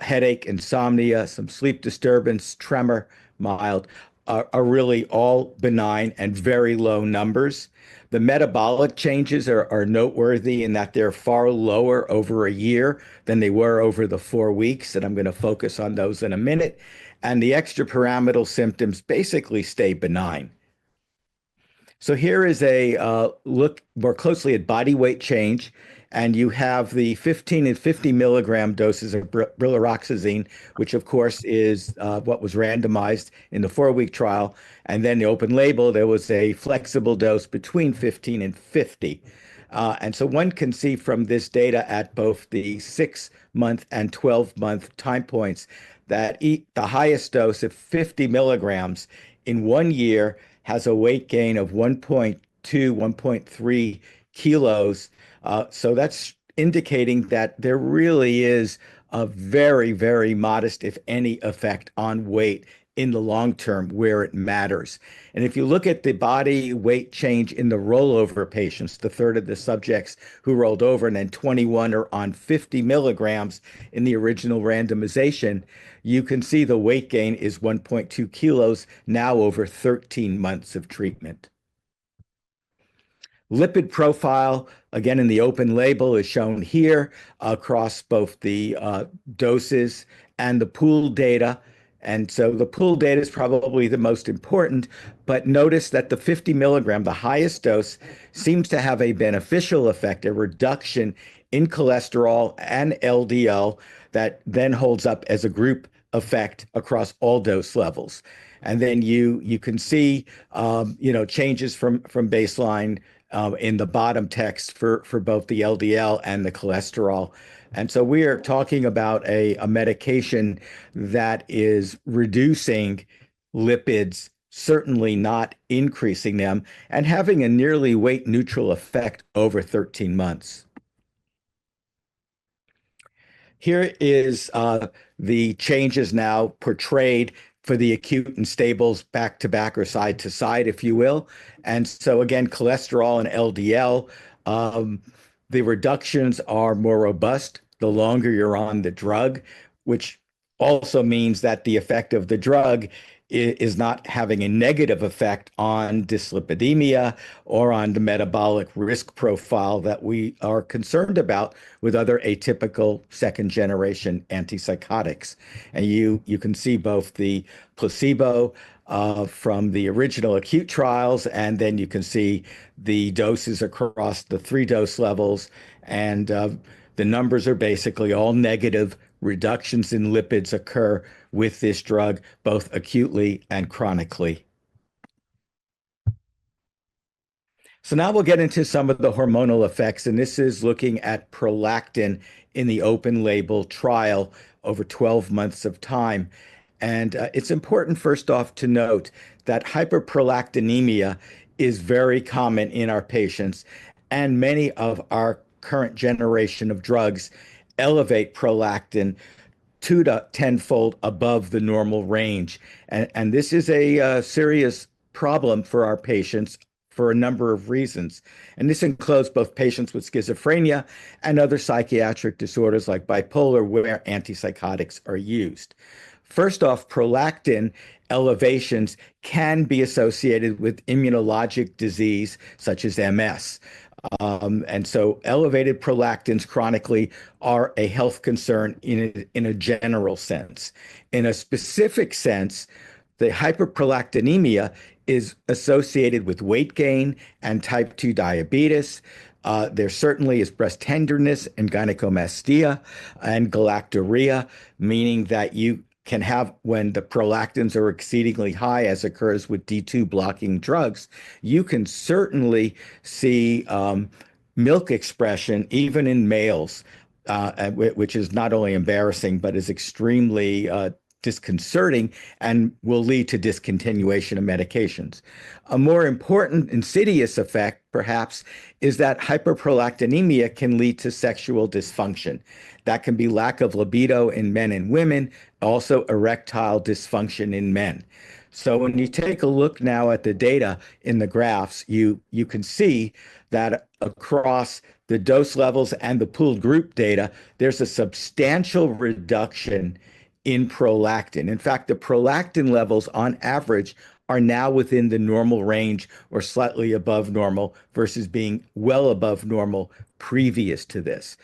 headache, insomnia, some sleep disturbance, tremor, mild, are really all benign and very low numbers. The metabolic changes are noteworthy in that they are far lower over a year than they were over the four weeks. I am going to focus on those in a minute. The extrapyramidal symptoms basically stay benign. Here is a look more closely at body weight change. You have the 15 and 50 mg doses of brilaroxazine, which, of course, is what was randomized in the four-week trial. In the open label, there was a flexible dose between 15 and 50. One can see from this data at both the six-month and 12-month time points that the highest dose of 50 mgs in one year has a weight gain of 1.2, 1.3 kilos. That is indicating that there really is a very, very modest, if any, effect on weight in the long term where it matters. If you look at the body weight change in the rollover patients, the third of the subjects who rolled over, and then 21 are on 50 mgs in the original randomization, you can see the weight gain is 1.2 kilos now over 13 months of treatment. Lipid profile, again, in the open label is shown here across both the doses and the pool data. The pool data is probably the most important. Notice that the 50 mg, the highest dose, seems to have a beneficial effect, a reduction in cholesterol and LDL that then holds up as a group effect across all dose levels. You can see changes from baseline in the bottom text for both the LDL and the cholesterol. We are talking about a medication that is reducing lipids, certainly not increasing them, and having a nearly weight-neutral effect over 13 months. Here are the changes now portrayed for the acute and stables back to back or side to side, if you will. Again, cholesterol and LDL, the reductions are more robust the longer you're on the drug, which also means that the effect of the drug is not having a negative effect on dyslipidemia or on the metabolic risk profile that we are concerned about with other atypical second-generation antipsychotics. You can see both the placebo from the original acute trials, and then you can see the doses across the three dose levels. The numbers are basically all negative reductions in lipids occur with this drug, both acutely and chronically. Now we'll get into some of the hormonal effects. This is looking at prolactin in the open label trial over 12 months of time. It's important, first off, to note that hyperprolactinemia is very common in our patients. Many of our current generation of drugs elevate prolactin two- to tenfold above the normal range. This is a serious problem for our patients for a number of reasons. This includes both patients with schizophrenia and other psychiatric disorders like bipolar, where antipsychotics are used. First off, prolactin elevations can be associated with immunologic disease such as MS. Elevated prolactins chronically are a health concern in a general sense. In a specific sense, the hyperprolactinemia is associated with weight gain and type two diabetes. There certainly is breast tenderness and gynecomastia and galactorrhea, meaning that you can have, when the prolactins are exceedingly high, as occurs with D2 blocking drugs, you can certainly see milk expression even in males, which is not only embarrassing but is extremely disconcerting and will lead to discontinuation of medications. A more important insidious effect, perhaps, is that hyperprolactinemia can lead to sexual dysfunction. That can be lack of libido in men and women, also erectile dysfunction in men. When you take a look now at the data in the graphs, you can see that across the dose levels and the pooled group data, there is a substantial reduction in prolactin. In fact, the prolactin levels on average are now within the normal range or slightly above normal versus being well above normal previous to this.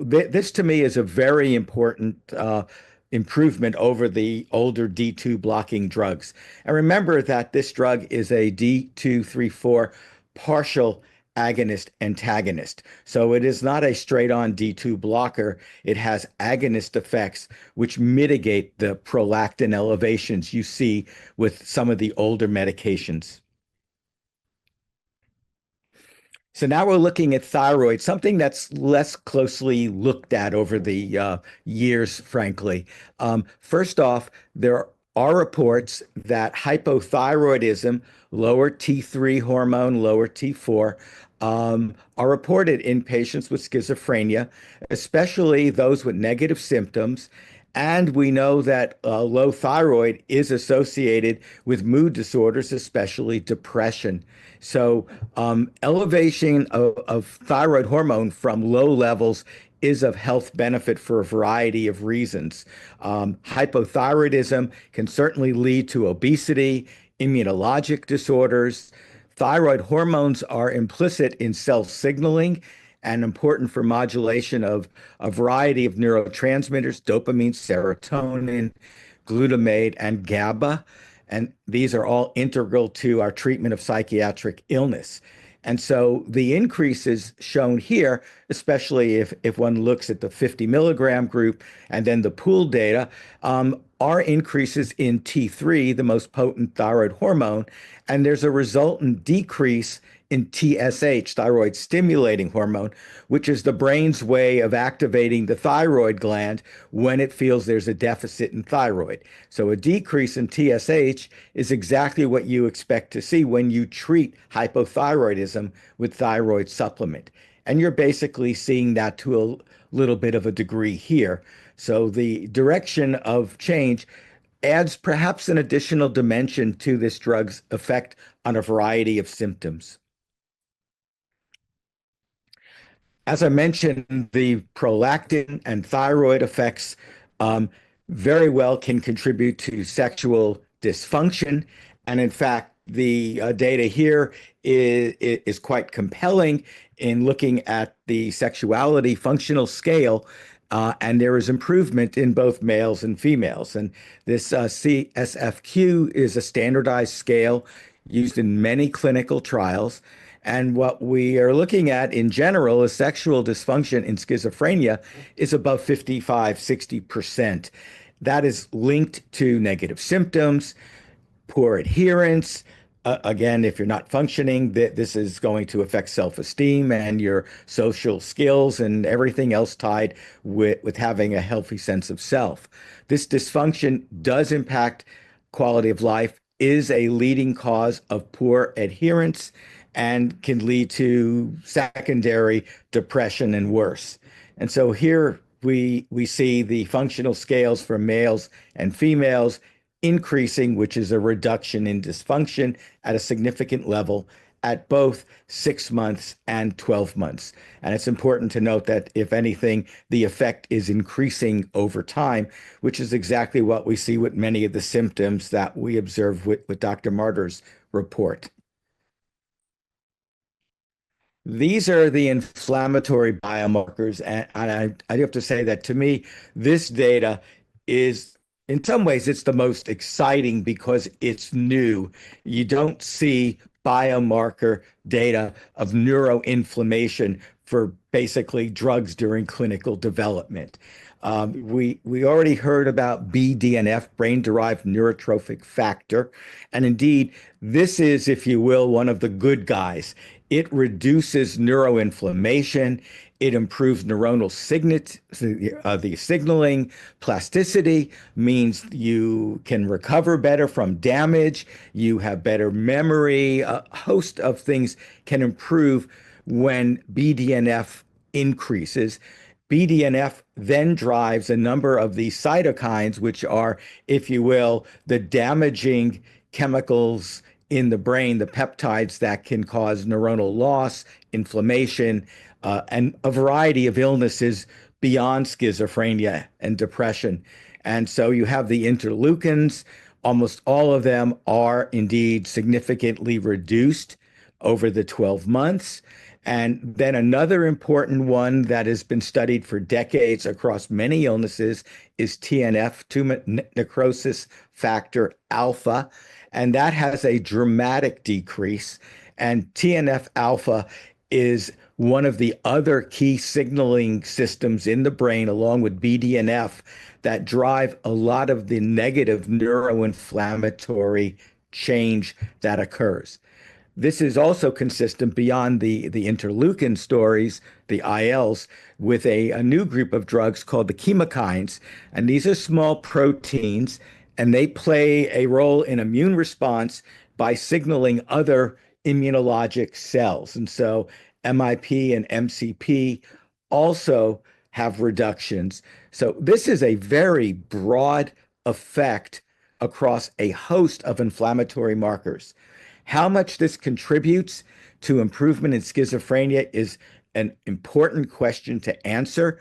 This, to me, is a very important improvement over the older D2 blocking drugs. Remember that this drug is a D2, D3, D4 partial agonist antagonist. It is not a straight-on D2 blocker. It has agonist effects which mitigate the prolactin elevations you see with some of the older medications. Now we're looking at thyroid, something that's less closely looked at over the years, frankly. First off, there are reports that hypothyroidism, lower T3 hormone, lower T4, are reported in patients with schizophrenia, especially those with negative symptoms. We know that low thyroid is associated with mood disorders, especially depression. Elevation of thyroid hormone from low levels is of health benefit for a variety of reasons. Hypothyroidism can certainly lead to obesity, immunologic disorders. Thyroid hormones are implicit in cell signaling and important for modulation of a variety of neurotransmitters, dopamine, serotonin, glutamate, and GABA. These are all integral to our treatment of psychiatric illness. The increases shown here, especially if one looks at the 50 mg group and then the pooled data, are increases in T3, the most potent thyroid hormone. There is a resultant decrease in TSH, thyroid stimulating hormone, which is the brain's way of activating the thyroid gland when it feels there is a deficit in thyroid. A decrease in TSH is exactly what you expect to see when you treat hypothyroidism with thyroid supplement. You are basically seeing that to a little bit of a degree here. The direction of change adds perhaps an additional dimension to this drug's effect on a variety of symptoms. As I mentioned, the prolactin and thyroid effects very well can contribute to sexual dysfunction. In fact, the data here is quite compelling in looking at the sexuality functional scale. There is improvement in both males and females. This CSFQ is a standardized scale used in many clinical trials. What we are looking at in general is sexual dysfunction in schizophrenia is above 55%-60%. That is linked to negative symptoms, poor adherence. If you're not functioning, this is going to affect self-esteem and your social skills and everything else tied with having a healthy sense of self. This dysfunction does impact quality of life, is a leading cause of poor adherence, and can lead to secondary depression and worse. Here we see the functional scales for males and females increasing, which is a reduction in dysfunction at a significant level at both six months and 12 months. It is important to note that, if anything, the effect is increasing over time, which is exactly what we see with many of the symptoms that we observe with Dr. Marder's report. These are the inflammatory biomarkers. I do have to say that to me, this data is, in some ways, it's the most exciting because it's new. You do not see biomarker data of neuroinflammation for basically drugs during clinical development. We already heard about BDNF, brain-derived neurotrophic factor. Indeed, this is, if you will, one of the good guys. It reduces neuroinflammation. It improves neuronal signaling. Plasticity means you can recover better from damage. You have better memory. A host of things can improve when BDNF increases. BDNF then drives a number of these cytokines, which are, if you will, the damaging chemicals in the brain, the peptides that can cause neuronal loss, inflammation, and a variety of illnesses beyond schizophrenia and depression. You have the interleukins. Almost all of them are indeed significantly reduced over the 12 months. Another important one that has been studied for decades across many illnesses is TNF, tumor necrosis factor alpha. That has a dramatic decrease. TNF alpha is one of the other key signaling systems in the brain, along with BDNF, that drive a lot of the negative neuroinflammatory change that occurs. This is also consistent beyond the interleukin stories, the ILs, with a new group of drugs called the chemokines. These are small proteins, and they play a role in immune response by signaling other immunologic cells. MIP and MCP also have reductions. This is a very broad effect across a host of inflammatory markers. How much this contributes to improvement in schizophrenia is an important question to answer.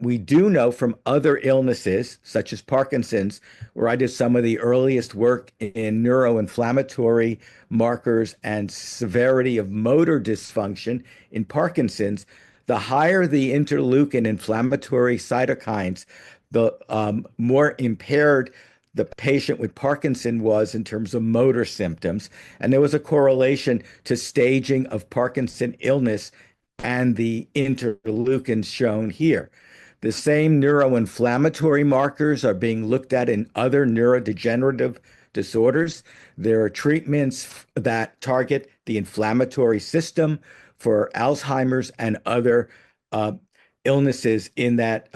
We do know from other illnesses, such as Parkinson's, where I did some of the earliest work in neuroinflammatory markers and severity of motor dysfunction in Parkinson's, the higher the interleukin inflammatory cytokines, the more impaired the patient with Parkinson's was in terms of motor symptoms. There was a correlation to staging of Parkinson's illness and the interleukin shown here. The same neuroinflammatory markers are being looked at in other neurodegenerative disorders. There are treatments that target the inflammatory system for Alzheimer's and other illnesses in that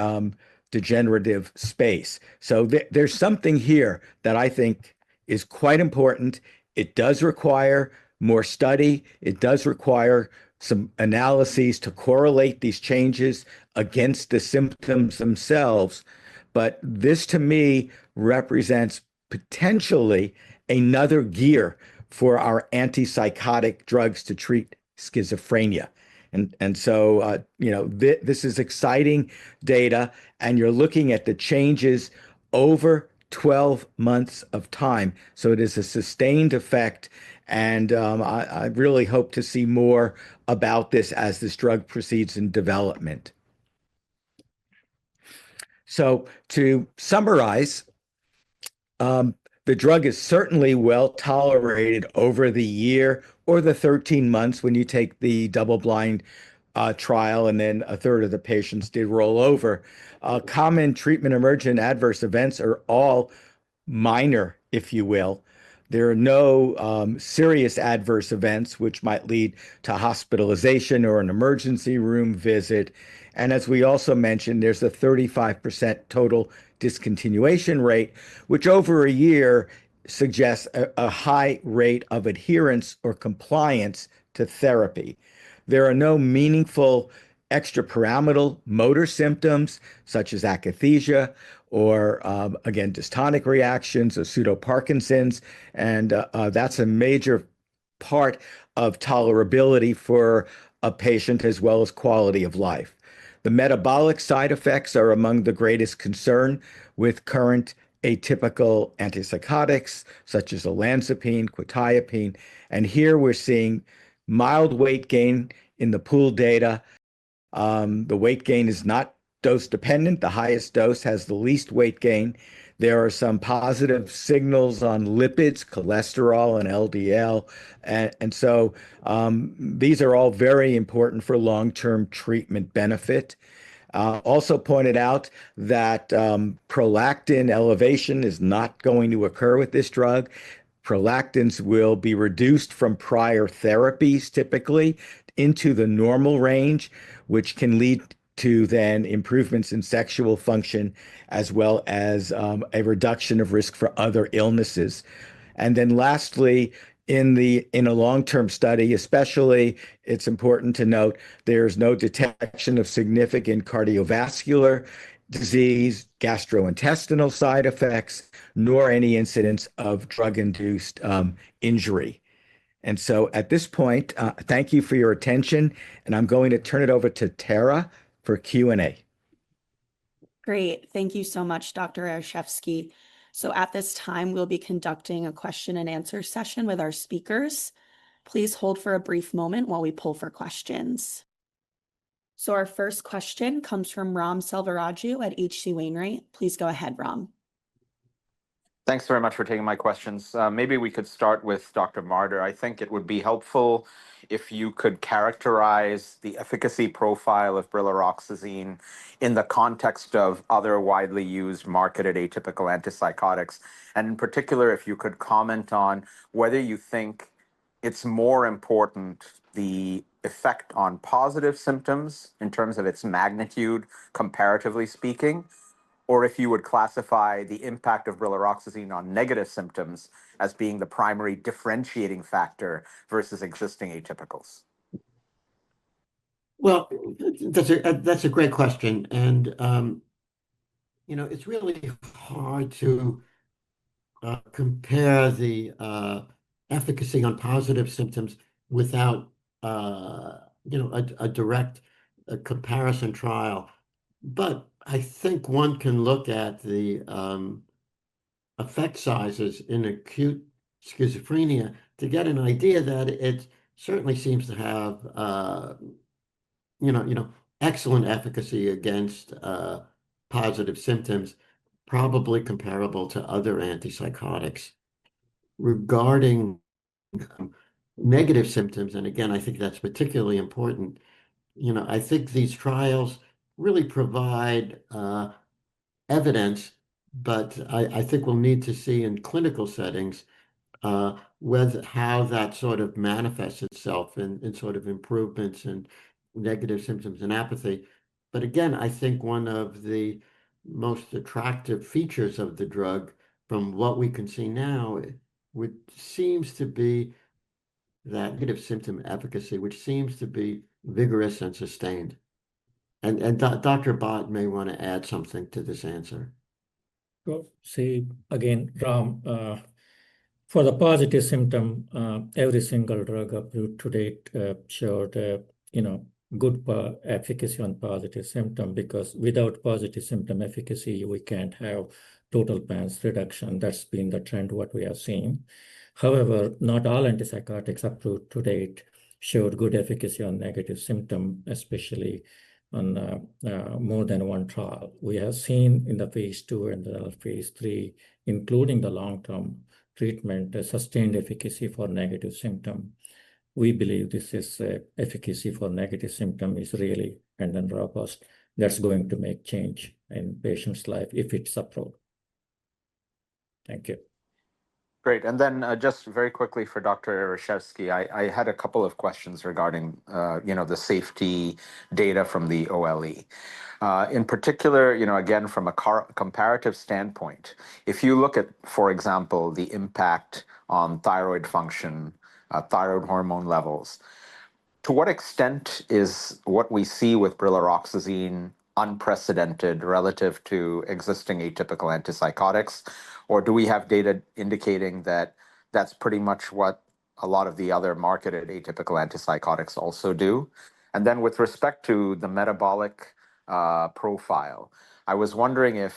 degenerative space. There is something here that I think is quite important. It does require more study. It does require some analyses to correlate these changes against the symptoms themselves. But this, to me, represents potentially another gear for our antipsychotic drugs to treat schizophrenia. And so this is exciting data. And you're looking at the changes over 12 months of time. So it is a sustained effect. And I really hope to see more about this as this drug proceeds in development. To summarize, the drug is certainly well tolerated over the year or the 13 months when you take the double-blind trial, and then a third of the patients did roll over. Common treatment emergent adverse events are all minor, if you will. There are no serious adverse events which might lead to hospitalization or an emergency room visit. As we also mentioned, there's a 35% total discontinuation rate, which over a year suggests a high rate of adherence or compliance to therapy. There are no meaningful extrapyramidal motor symptoms such as akathisia or, again, dystonic reactions or pseudoparkinsons. That is a major part of tolerability for a patient as well as quality of life. The metabolic side effects are among the greatest concern with current atypical antipsychotics such as olanzapine, quetiapine. Here we are seeing mild weight gain in the pool data. The weight gain is not dose-dependent. The highest dose has the least weight gain. There are some positive signals on lipids, cholesterol, and LDL. These are all very important for long-term treatment benefit. Also pointed out that prolactin elevation is not going to occur with this drug. Prolactins will be reduced from prior therapies typically into the normal range, which can lead to then improvements in sexual function as well as a reduction of risk for other illnesses. Lastly, in a long-term study, especially, it's important to note there is no detection of significant cardiovascular disease, gastrointestinal side effects, nor any incidents of drug-induced injury. At this point, thank you for your attention. I'm going to turn it over to Tara for Q&A. Great. Thank you so much, Dr. Ereshefsky. At this time, we'll be conducting a question-and-answer session with our speakers. Please hold for a brief moment while we pull for questions. Our first question comes from Ram Selvaraju at H.C. Wainwright. Please go ahead, Ram. Thanks very much for taking my questions. Maybe we could start with Dr. Marder. I think it would be helpful if you could characterize the efficacy profile of brilaroxazine in the context of other widely used marketed atypical antipsychotics. In particular, if you could comment on whether you think it's more important the effect on positive symptoms in terms of its magnitude, comparatively speaking, or if you would classify the impact of brilaroxazine on negative symptoms as being the primary differentiating factor versus existing atypicals. That is a great question. It is really hard to compare the efficacy on positive symptoms without a direct comparison trial. I think one can look at the effect sizes in acute schizophrenia to get an idea that it certainly seems to have excellent efficacy against positive symptoms, probably comparable to other antipsychotics. Regarding negative symptoms, and again, I think that is particularly important, I think these trials really provide evidence, but I think we will need to see in clinical settings how that sort of manifests itself in sort of improvements in negative symptoms and apathy. I think one of the most attractive features of the drug from what we can see now seems to be that negative symptom efficacy, which seems to be vigorous and sustained. Dr. Bhat may want to add something to this answer. See, again, Ram, for the positive symptom, every single drug up to date showed good efficacy on positive symptoms because without positive symptom efficacy, we can't have total path reduction. That's been the trend we have seen. However, not all antipsychotics up to date showed good efficacy on negative symptoms, especially on more than one trial. We have seen in the phase II and the phase III, including the long-term treatment, a sustained efficacy for negative symptoms. We believe this efficacy for negative symptoms is really robust. That's going to make change in patients' life if it's approved. Thank you. Great. Just very quickly for Dr. Ereshefsky, I had a couple of questions regarding the safety data from the OLE. In particular, again, from a comparative standpoint, if you look at, for example, the impact on thyroid function, thyroid hormone levels, to what extent is what we see with brilaroxazine unprecedented relative to existing atypical antipsychotics? Do we have data indicating that that's pretty much what a lot of the other marketed atypical antipsychotics also do? With respect to the metabolic profile, I was wondering if,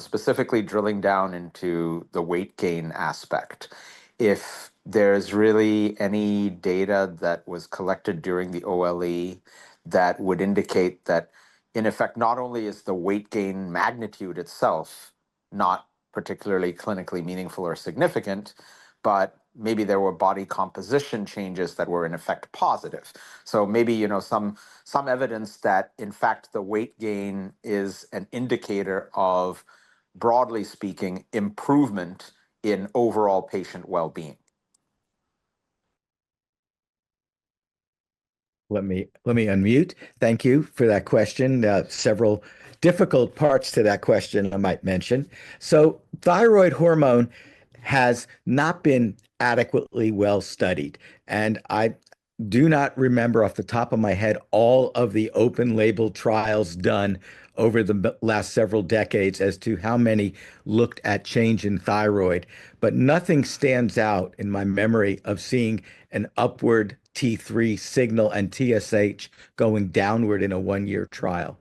specifically drilling down into the weight gain aspect, if there's really any data that was collected during the OLE that would indicate that, in effect, not only is the weight gain magnitude itself not particularly clinically meaningful or significant, but maybe there were body composition changes that were, in effect, positive. Maybe some evidence that, in fact, the weight gain is an indicator of, broadly speaking, improvement in overall patient well-being. Let me unmute. Thank you for that question. Several difficult parts to that question I might mention. Thyroid hormone has not been adequately well studied. I do not remember off the top of my head all of the open-label trials done over the last several decades as to how many looked at change in thyroid. Nothing stands out in my memory of seeing an upward T3 signal and TSH going downward in a one-year trial.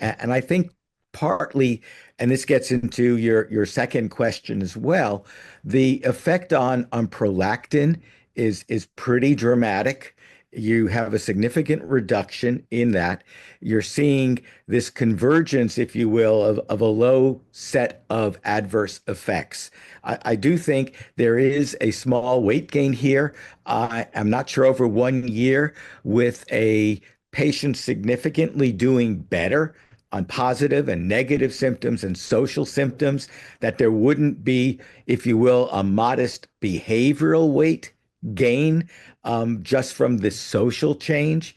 I think partly, and this gets into your second question as well, the effect on prolactin is pretty dramatic. You have a significant reduction in that. You are seeing this convergence, if you will, of a low set of adverse effects. I do think there is a small weight gain here. I'm not sure over one year with a patient significantly doing better on positive and negative symptoms and social symptoms that there wouldn't be, if you will, a modest behavioral weight gain just from this social change.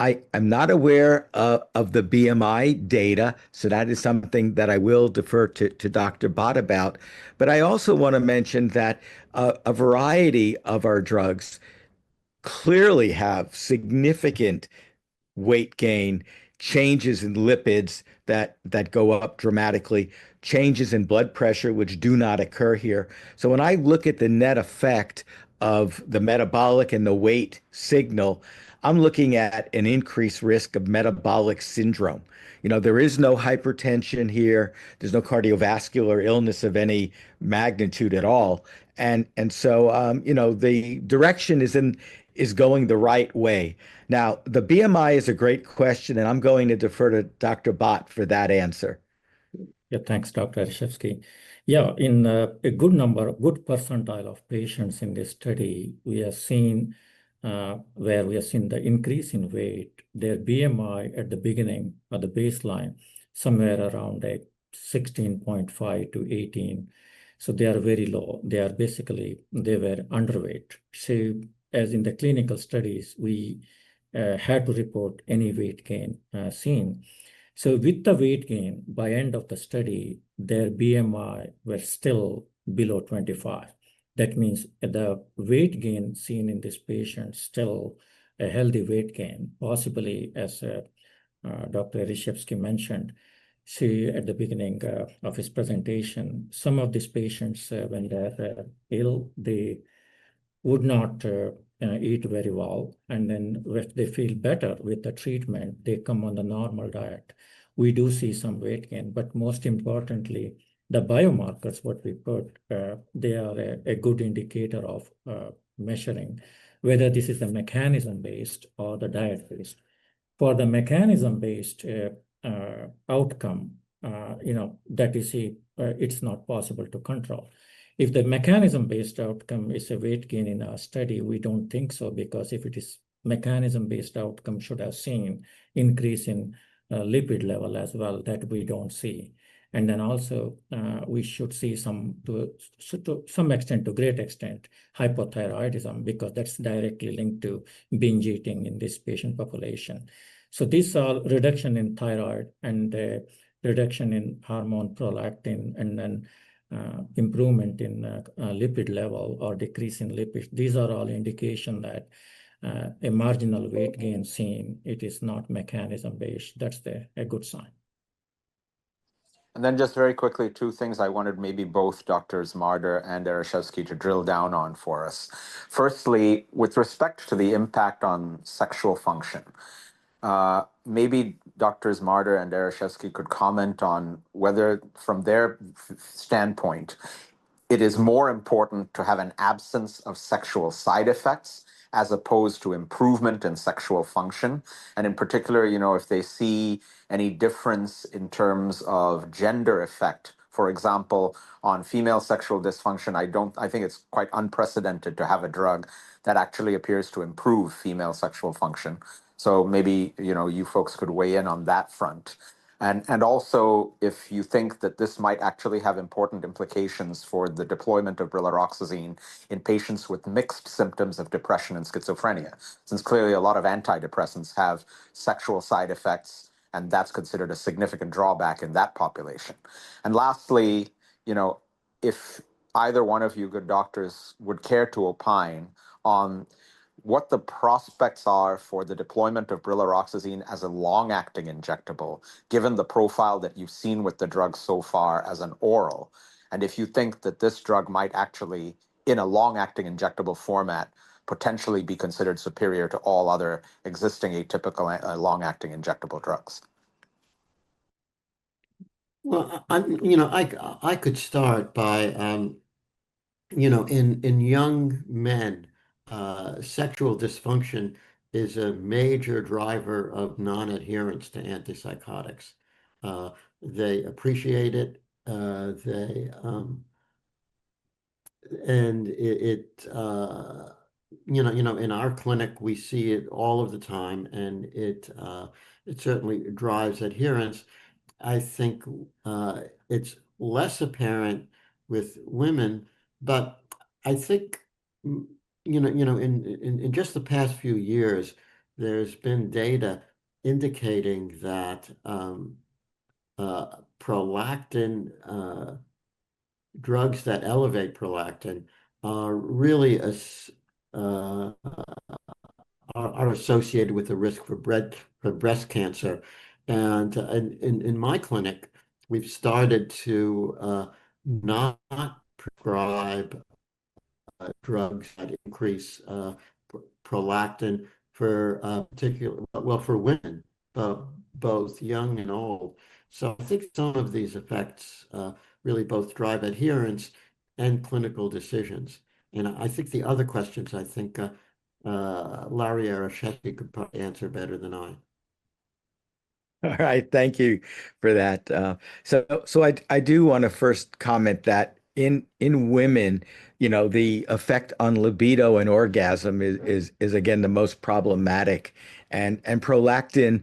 I'm not aware of the BMI data, so that is something that I will defer to Dr. Bhat about. I also want to mention that a variety of our drugs clearly have significant weight gain, changes in lipids that go up dramatically, changes in blood pressure, which do not occur here. When I look at the net effect of the metabolic and the weight signal, I'm looking at an increased risk of metabolic syndrome. There is no hypertension here. There's no cardiovascular illness of any magnitude at all. The direction is going the right way. Now, the BMI is a great question, and I'm going to defer to Dr. Bhat for that answer. Yep. Thanks, Dr. Ereshefsky. Yeah, in a good number, good percentile of patients in this study, we have seen where we have seen the increase in weight, their BMI at the beginning of the baseline somewhere around 16.5-18. So they are very low. They are basically, they were underweight. See, as in the clinical studies, we had to report any weight gain seen. With the weight gain by end of the study, their BMI was still below 25. That means the weight gain seen in this patient is still a healthy weight gain, possibly as Dr. Ereshefsky mentioned. See, at the beginning of his presentation, some of these patients, when they're ill, they would not eat very well. If they feel better with the treatment, they come on the normal diet. We do see some weight gain. Most importantly, the biomarkers, what we put, they are a good indicator of measuring whether this is a mechanism-based or the diet-based. For the mechanism-based outcome, that you see, it's not possible to control. If the mechanism-based outcome is a weight gain in our study, we don't think so because if it is mechanism-based outcome, we should have seen an increase in lipid level as well that we don't see. Also, we should see some to some extent to great extent hypothyroidism because that's directly linked to binge eating in this patient population. These are reduction in thyroid and reduction in hormone prolactin and then improvement in lipid level or decrease in lipids. These are all indications that a marginal weight gain seen, it is not mechanism-based. That's a good sign. Just very quickly, two things I wanted maybe both Doctors Marder and Ereshefsky to drill down on for us. Firstly, with respect to the impact on sexual function, maybe Doctors Marder and Ereshefsky could comment on whether from their standpoint, it is more important to have an absence of sexual side effects as opposed to improvement in sexual function. In particular, if they see any difference in terms of gender effect, for example, on female sexual dysfunction, I think it's quite unprecedented to have a drug that actually appears to improve female sexual function. Maybe you folks could weigh in on that front. If you think that this might actually have important implications for the deployment of brilaroxazine in patients with mixed symptoms of depression and schizophrenia, since clearly a lot of antidepressants have sexual side effects, and that's considered a significant drawback in that population. Lastly, if either one of you good doctors would care to opine on what the prospects are for the deployment of brilaroxazine as a long-acting injectable, given the profile that you've seen with the drug so far as an oral, and if you think that this drug might actually, in a long-acting injectable format, potentially be considered superior to all other existing atypical long-acting injectable drugs. I could start by in young men, sexual dysfunction is a major driver of non-adherence to antipsychotics. They appreciate it. In our clinic, we see it all of the time, and it certainly drives adherence. I think it's less apparent with women, but I think in just the past few years, there's been data indicating that drugs that elevate prolactin are really associated with a risk for breast cancer. In my clinic, we've started to not prescribe drugs that increase prolactin for particular, well, for women, both young and old. I think some of these effects really both drive adherence and clinical decisions. I think the other questions, I think Larry Ereshefsky could probably answer better than I. All right. Thank you for that. I do want to first comment that in women, the effect on libido and orgasm is, again, the most problematic. Prolactin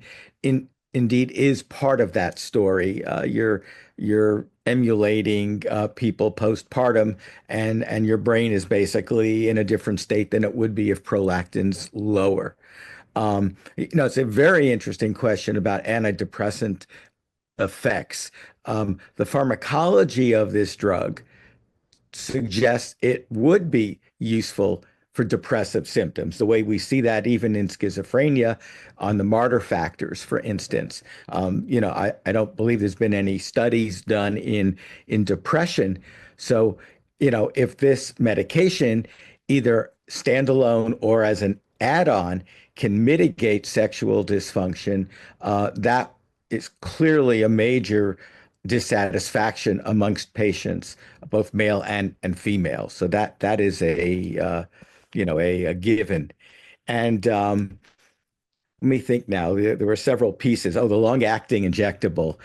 indeed is part of that story. You're emulating people postpartum, and your brain is basically in a different state than it would be if prolactin's lower. It's a very interesting question about antidepressant effects. The pharmacology of this drug suggests it would be useful for depressive symptoms, the way we see that even in schizophrenia on the Marder factors, for instance. I don't believe there's been any studies done in depression. If this medication, either standalone or as an add-on, can mitigate sexual dysfunction, that is clearly a major dissatisfaction amongst patients, both male and female. That is a given. Let me think now. There were several pieces. Oh, the long-acting injectable.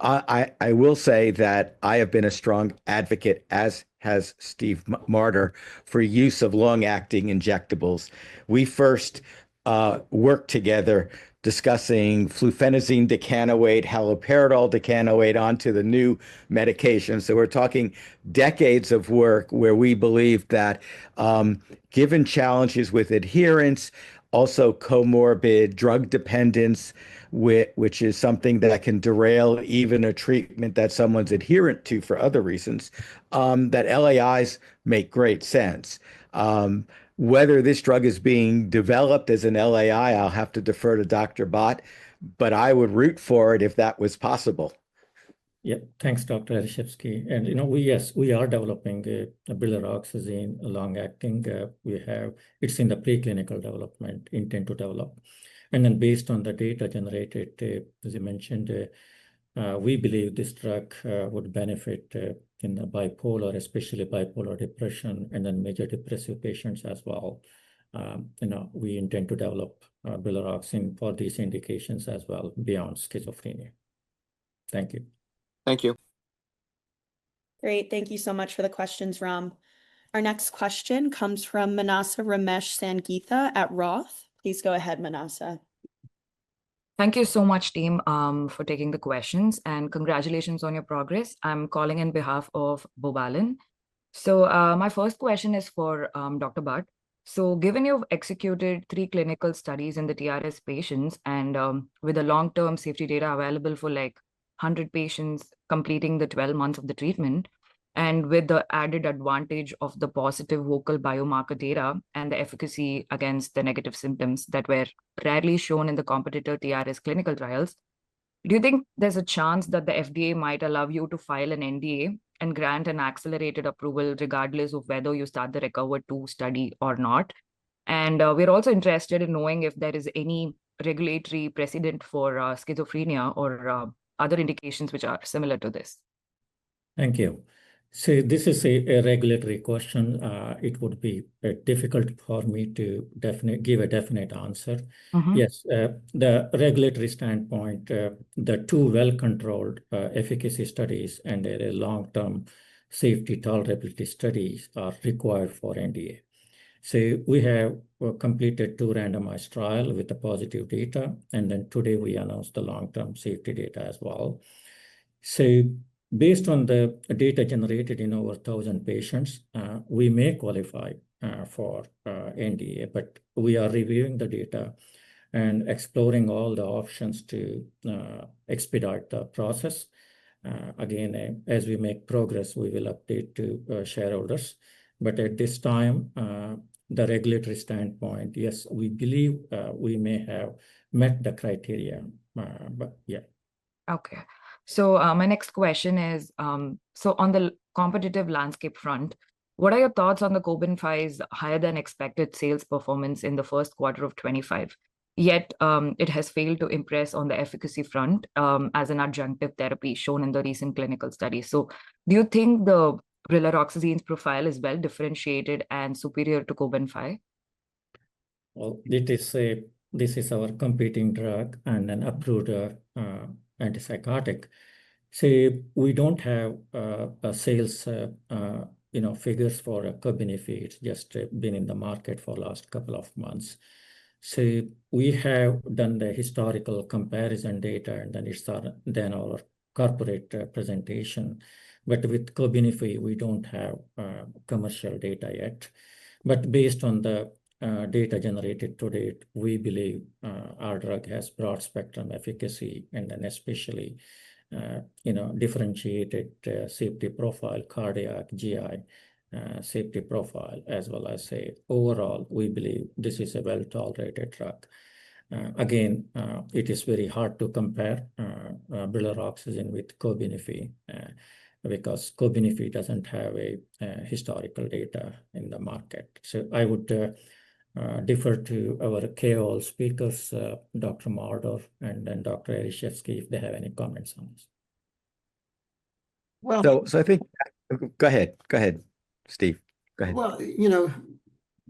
I will say that I have been a strong advocate, as has Steve Marder, for use of long-acting injectables. We first worked together discussing fluphenazine decanoate, haloperidol decanoate onto the new medication. We're talking decades of work where we believe that given challenges with adherence, also comorbid drug dependence, which is something that can derail even a treatment that someone's adherent to for other reasons, that LAIs make great sense. Whether this drug is being developed as an LAI, I'll have to defer to Dr. Bhat, but I would root for it if that was possible. Yep. Thanks, Dr. Ereshefsky. Yes, we are developing brilaroxazine, a long-acting. It's in the preclinical development, intent to develop. Then based on the data generated, as you mentioned, we believe this drug would benefit in the bipolar, especially bipolar depression, and then major depressive patients as well. We intend to develop brilaroxazine for these indications as well beyond schizophrenia. Thank you. Thank you. Great. Thank you so much for the questions, Ram. Our next question comes from Maanasa Ramesh Sangita at Roth. Please go ahead, Maanasa. Thank you so much, team, for taking the questions. And congratulations on your progress. I'm calling on behalf of Bovalin. My first question is for Dr. Bhat. Given you've executed three clinical studies in the TRS patients and with the long-term safety data available for like 100 patients completing the 12 months of the treatment, and with the added advantage of the positive vocal biomarker data and the efficacy against the negative symptoms that were rarely shown in the competitor TRS clinical trials, do you think there's a chance that the FDA might allow you to file an NDA and grant an accelerated approval regardless of whether you start the RECOVER-2 study or not? We're also interested in knowing if there is any regulatory precedent for schizophrenia or other indications which are similar to this. Thank you. See, this is a regulatory question. It would be difficult for me to give a definite answer. Yes, the regulatory standpoint, the two well-controlled efficacy studies and a long-term safety tolerability studies are required for NDA. We have completed two randomized trials with the positive data. Today, we announced the long-term safety data as well. Based on the data generated in over 1,000 patients, we may qualify for NDA, but we are reviewing the data and exploring all the options to expedite the process. Again, as we make progress, we will update to shareholders. At this time, the regulatory standpoint, yes, we believe we may have met the criteria, but yeah. Okay. My next question is, on the competitive landscape front, what are your thoughts on Cobenfy's higher-than-expected sales performance in the first quarter of 2025? Yet it has failed to impress on the efficacy front as an adjunctive therapy shown in the recent clinical studies. Do you think the brilaroxazine's profile is well differentiated and superior to Cobenfy? This is our competing drug and an approved antipsychotic. We do not have sales figures for Cobenfy. It has just been in the market for the last couple of months. We have done the historical comparison data, and then it is done in our corporate presentation. With Cobenfy, we do not have commercial data yet. Based on the data generated to date, we believe our drug has broad-spectrum efficacy and then especially differentiated safety profile, cardiac, GI safety profile, as well as overall, we believe this is a well-tolerated drug. Again, it is very hard to compare brilaroxazine with Cobenfy because Cobenfy does not have historical data in the market. I would defer to our KOL speakers, Dr. Marder and then Dr. Ereshefsky, if they have any comments on this. I think go ahead. Go ahead, Steve. Go ahead.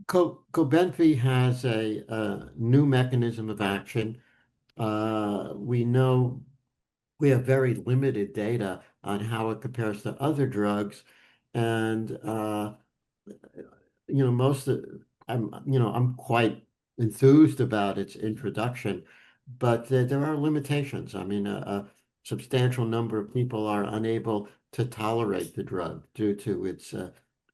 Cobenfy has a new mechanism of action. We know we have very limited data on how it compares to other drugs. I am quite enthused about its introduction, but there are limitations. I mean, a substantial number of people are unable to tolerate the drug due to its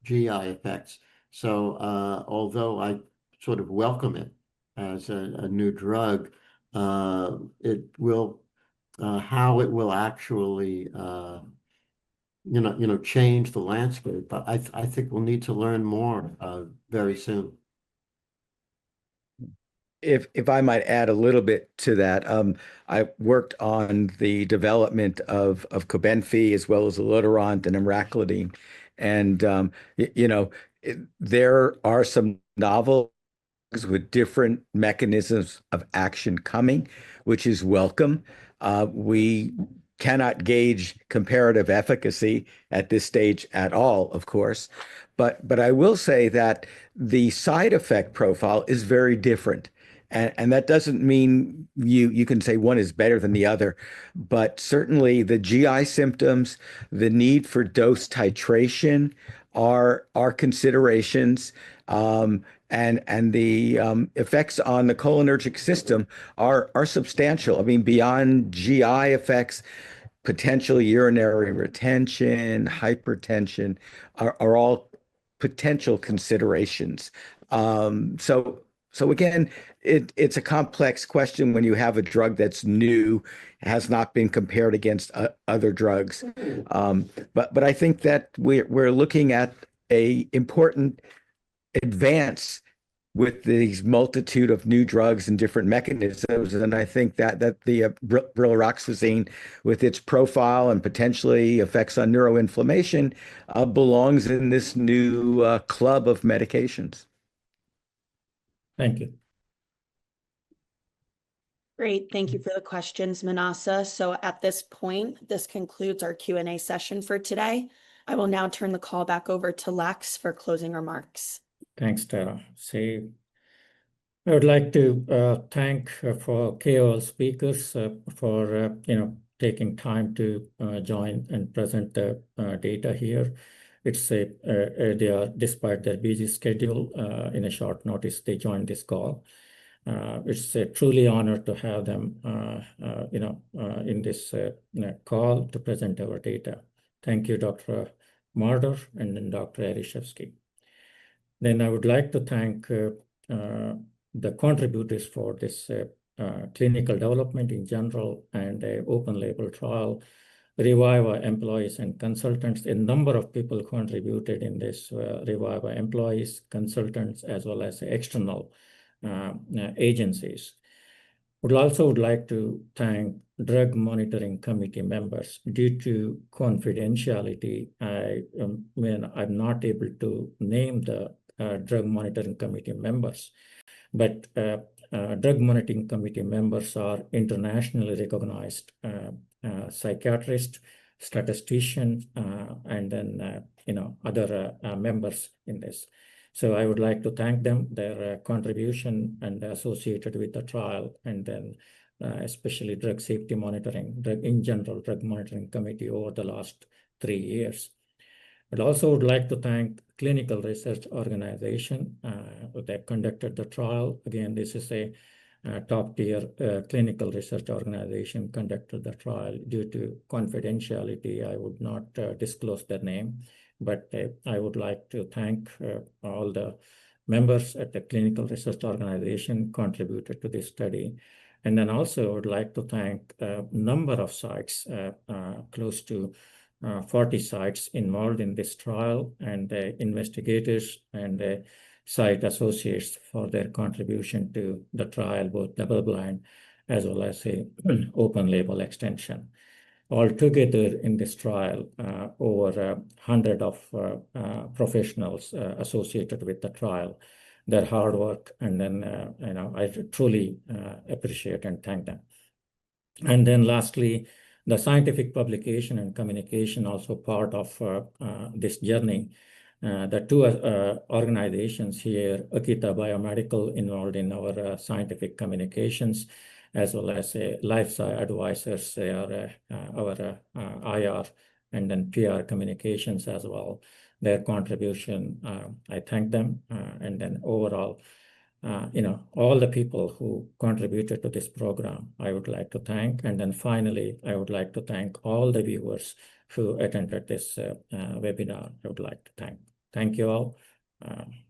GI effects. Although I sort of welcome it as a new drug, how it will actually change the landscape, I think we will need to learn more very soon. If I might add a little bit to that, I worked on the development of Cobenfy as well as [KarXT] and Emraclidine. There are some novel drugs with different mechanisms of action coming, which is welcome. We cannot gauge comparative efficacy at this stage at all, of course. I will say that the side effect profile is very different. That does not mean you can say one is better than the other. Certainly, the GI symptoms, the need for dose titration are considerations, and the effects on the cholinergic system are substantial. I mean, beyond GI effects, potential urinary retention, hypertension are all potential considerations. Again, it is a complex question when you have a drug that is new, has not been compared against other drugs. I think that we are looking at an important advance with these multitude of new drugs and different mechanisms. I think that the brilaroxazine, with its profile and potentially effects on neuroinflammation, belongs in this new club of medications. Thank you. Great. Thank you for the questions, Manasa. At this point, this concludes our Q&A session for today. I will now turn the call back over to Lax for closing remarks. Thanks, Tara. I would like to thank our KOL speakers for taking time to join and present the data here. Despite their busy schedule, in a short notice, they joined this call. It's truly an honor to have them in this call to present our data. Thank you, Dr. Marder and then Dr. Ereshefsky. I would like to thank the contributors for this clinical development in general and the open-label trial, Reviva employees and consultants, a number of people contributed in this, Reviva employees, consultants, as well as external agencies. I would also like to thank drug monitoring committee members. Due to confidentiality, I'm not able to name the drug monitoring committee members. Drug monitoring committee members are internationally recognized psychiatrists, statisticians, and then other members in this. I would like to thank them, their contribution and associated with the trial, and then especially drug safety monitoring, in general, drug monitoring committee over the last three years. I'd also like to thank Clinical Research Organization. They conducted the trial. Again, this is a top-tier clinical research organization that conducted the trial. Due to confidentiality, I would not disclose their name. I would like to thank all the members at the clinical research organization who contributed to this study. I would also like to thank a number of sites, close to 40 sites involved in this trial, and the investigators and the site associates for their contribution to the trial, both double-blind as well as open-label extension. Altogether in this trial, over 100 professionals associated with the trial, their hard work, and then I truly appreciate and thank them. Lastly, the scientific publication and communication are also part of this journey. The two organizations here, Akita Biomedical, involved in our scientific communications, as well as LifeSci Advisors, our IR and PR communications as well. Their contribution, I thank them. Overall, all the people who contributed to this program, I would like to thank. Finally, I would like to thank all the viewers who attended this webinar. I would like to thank. Thank you all. Yeah.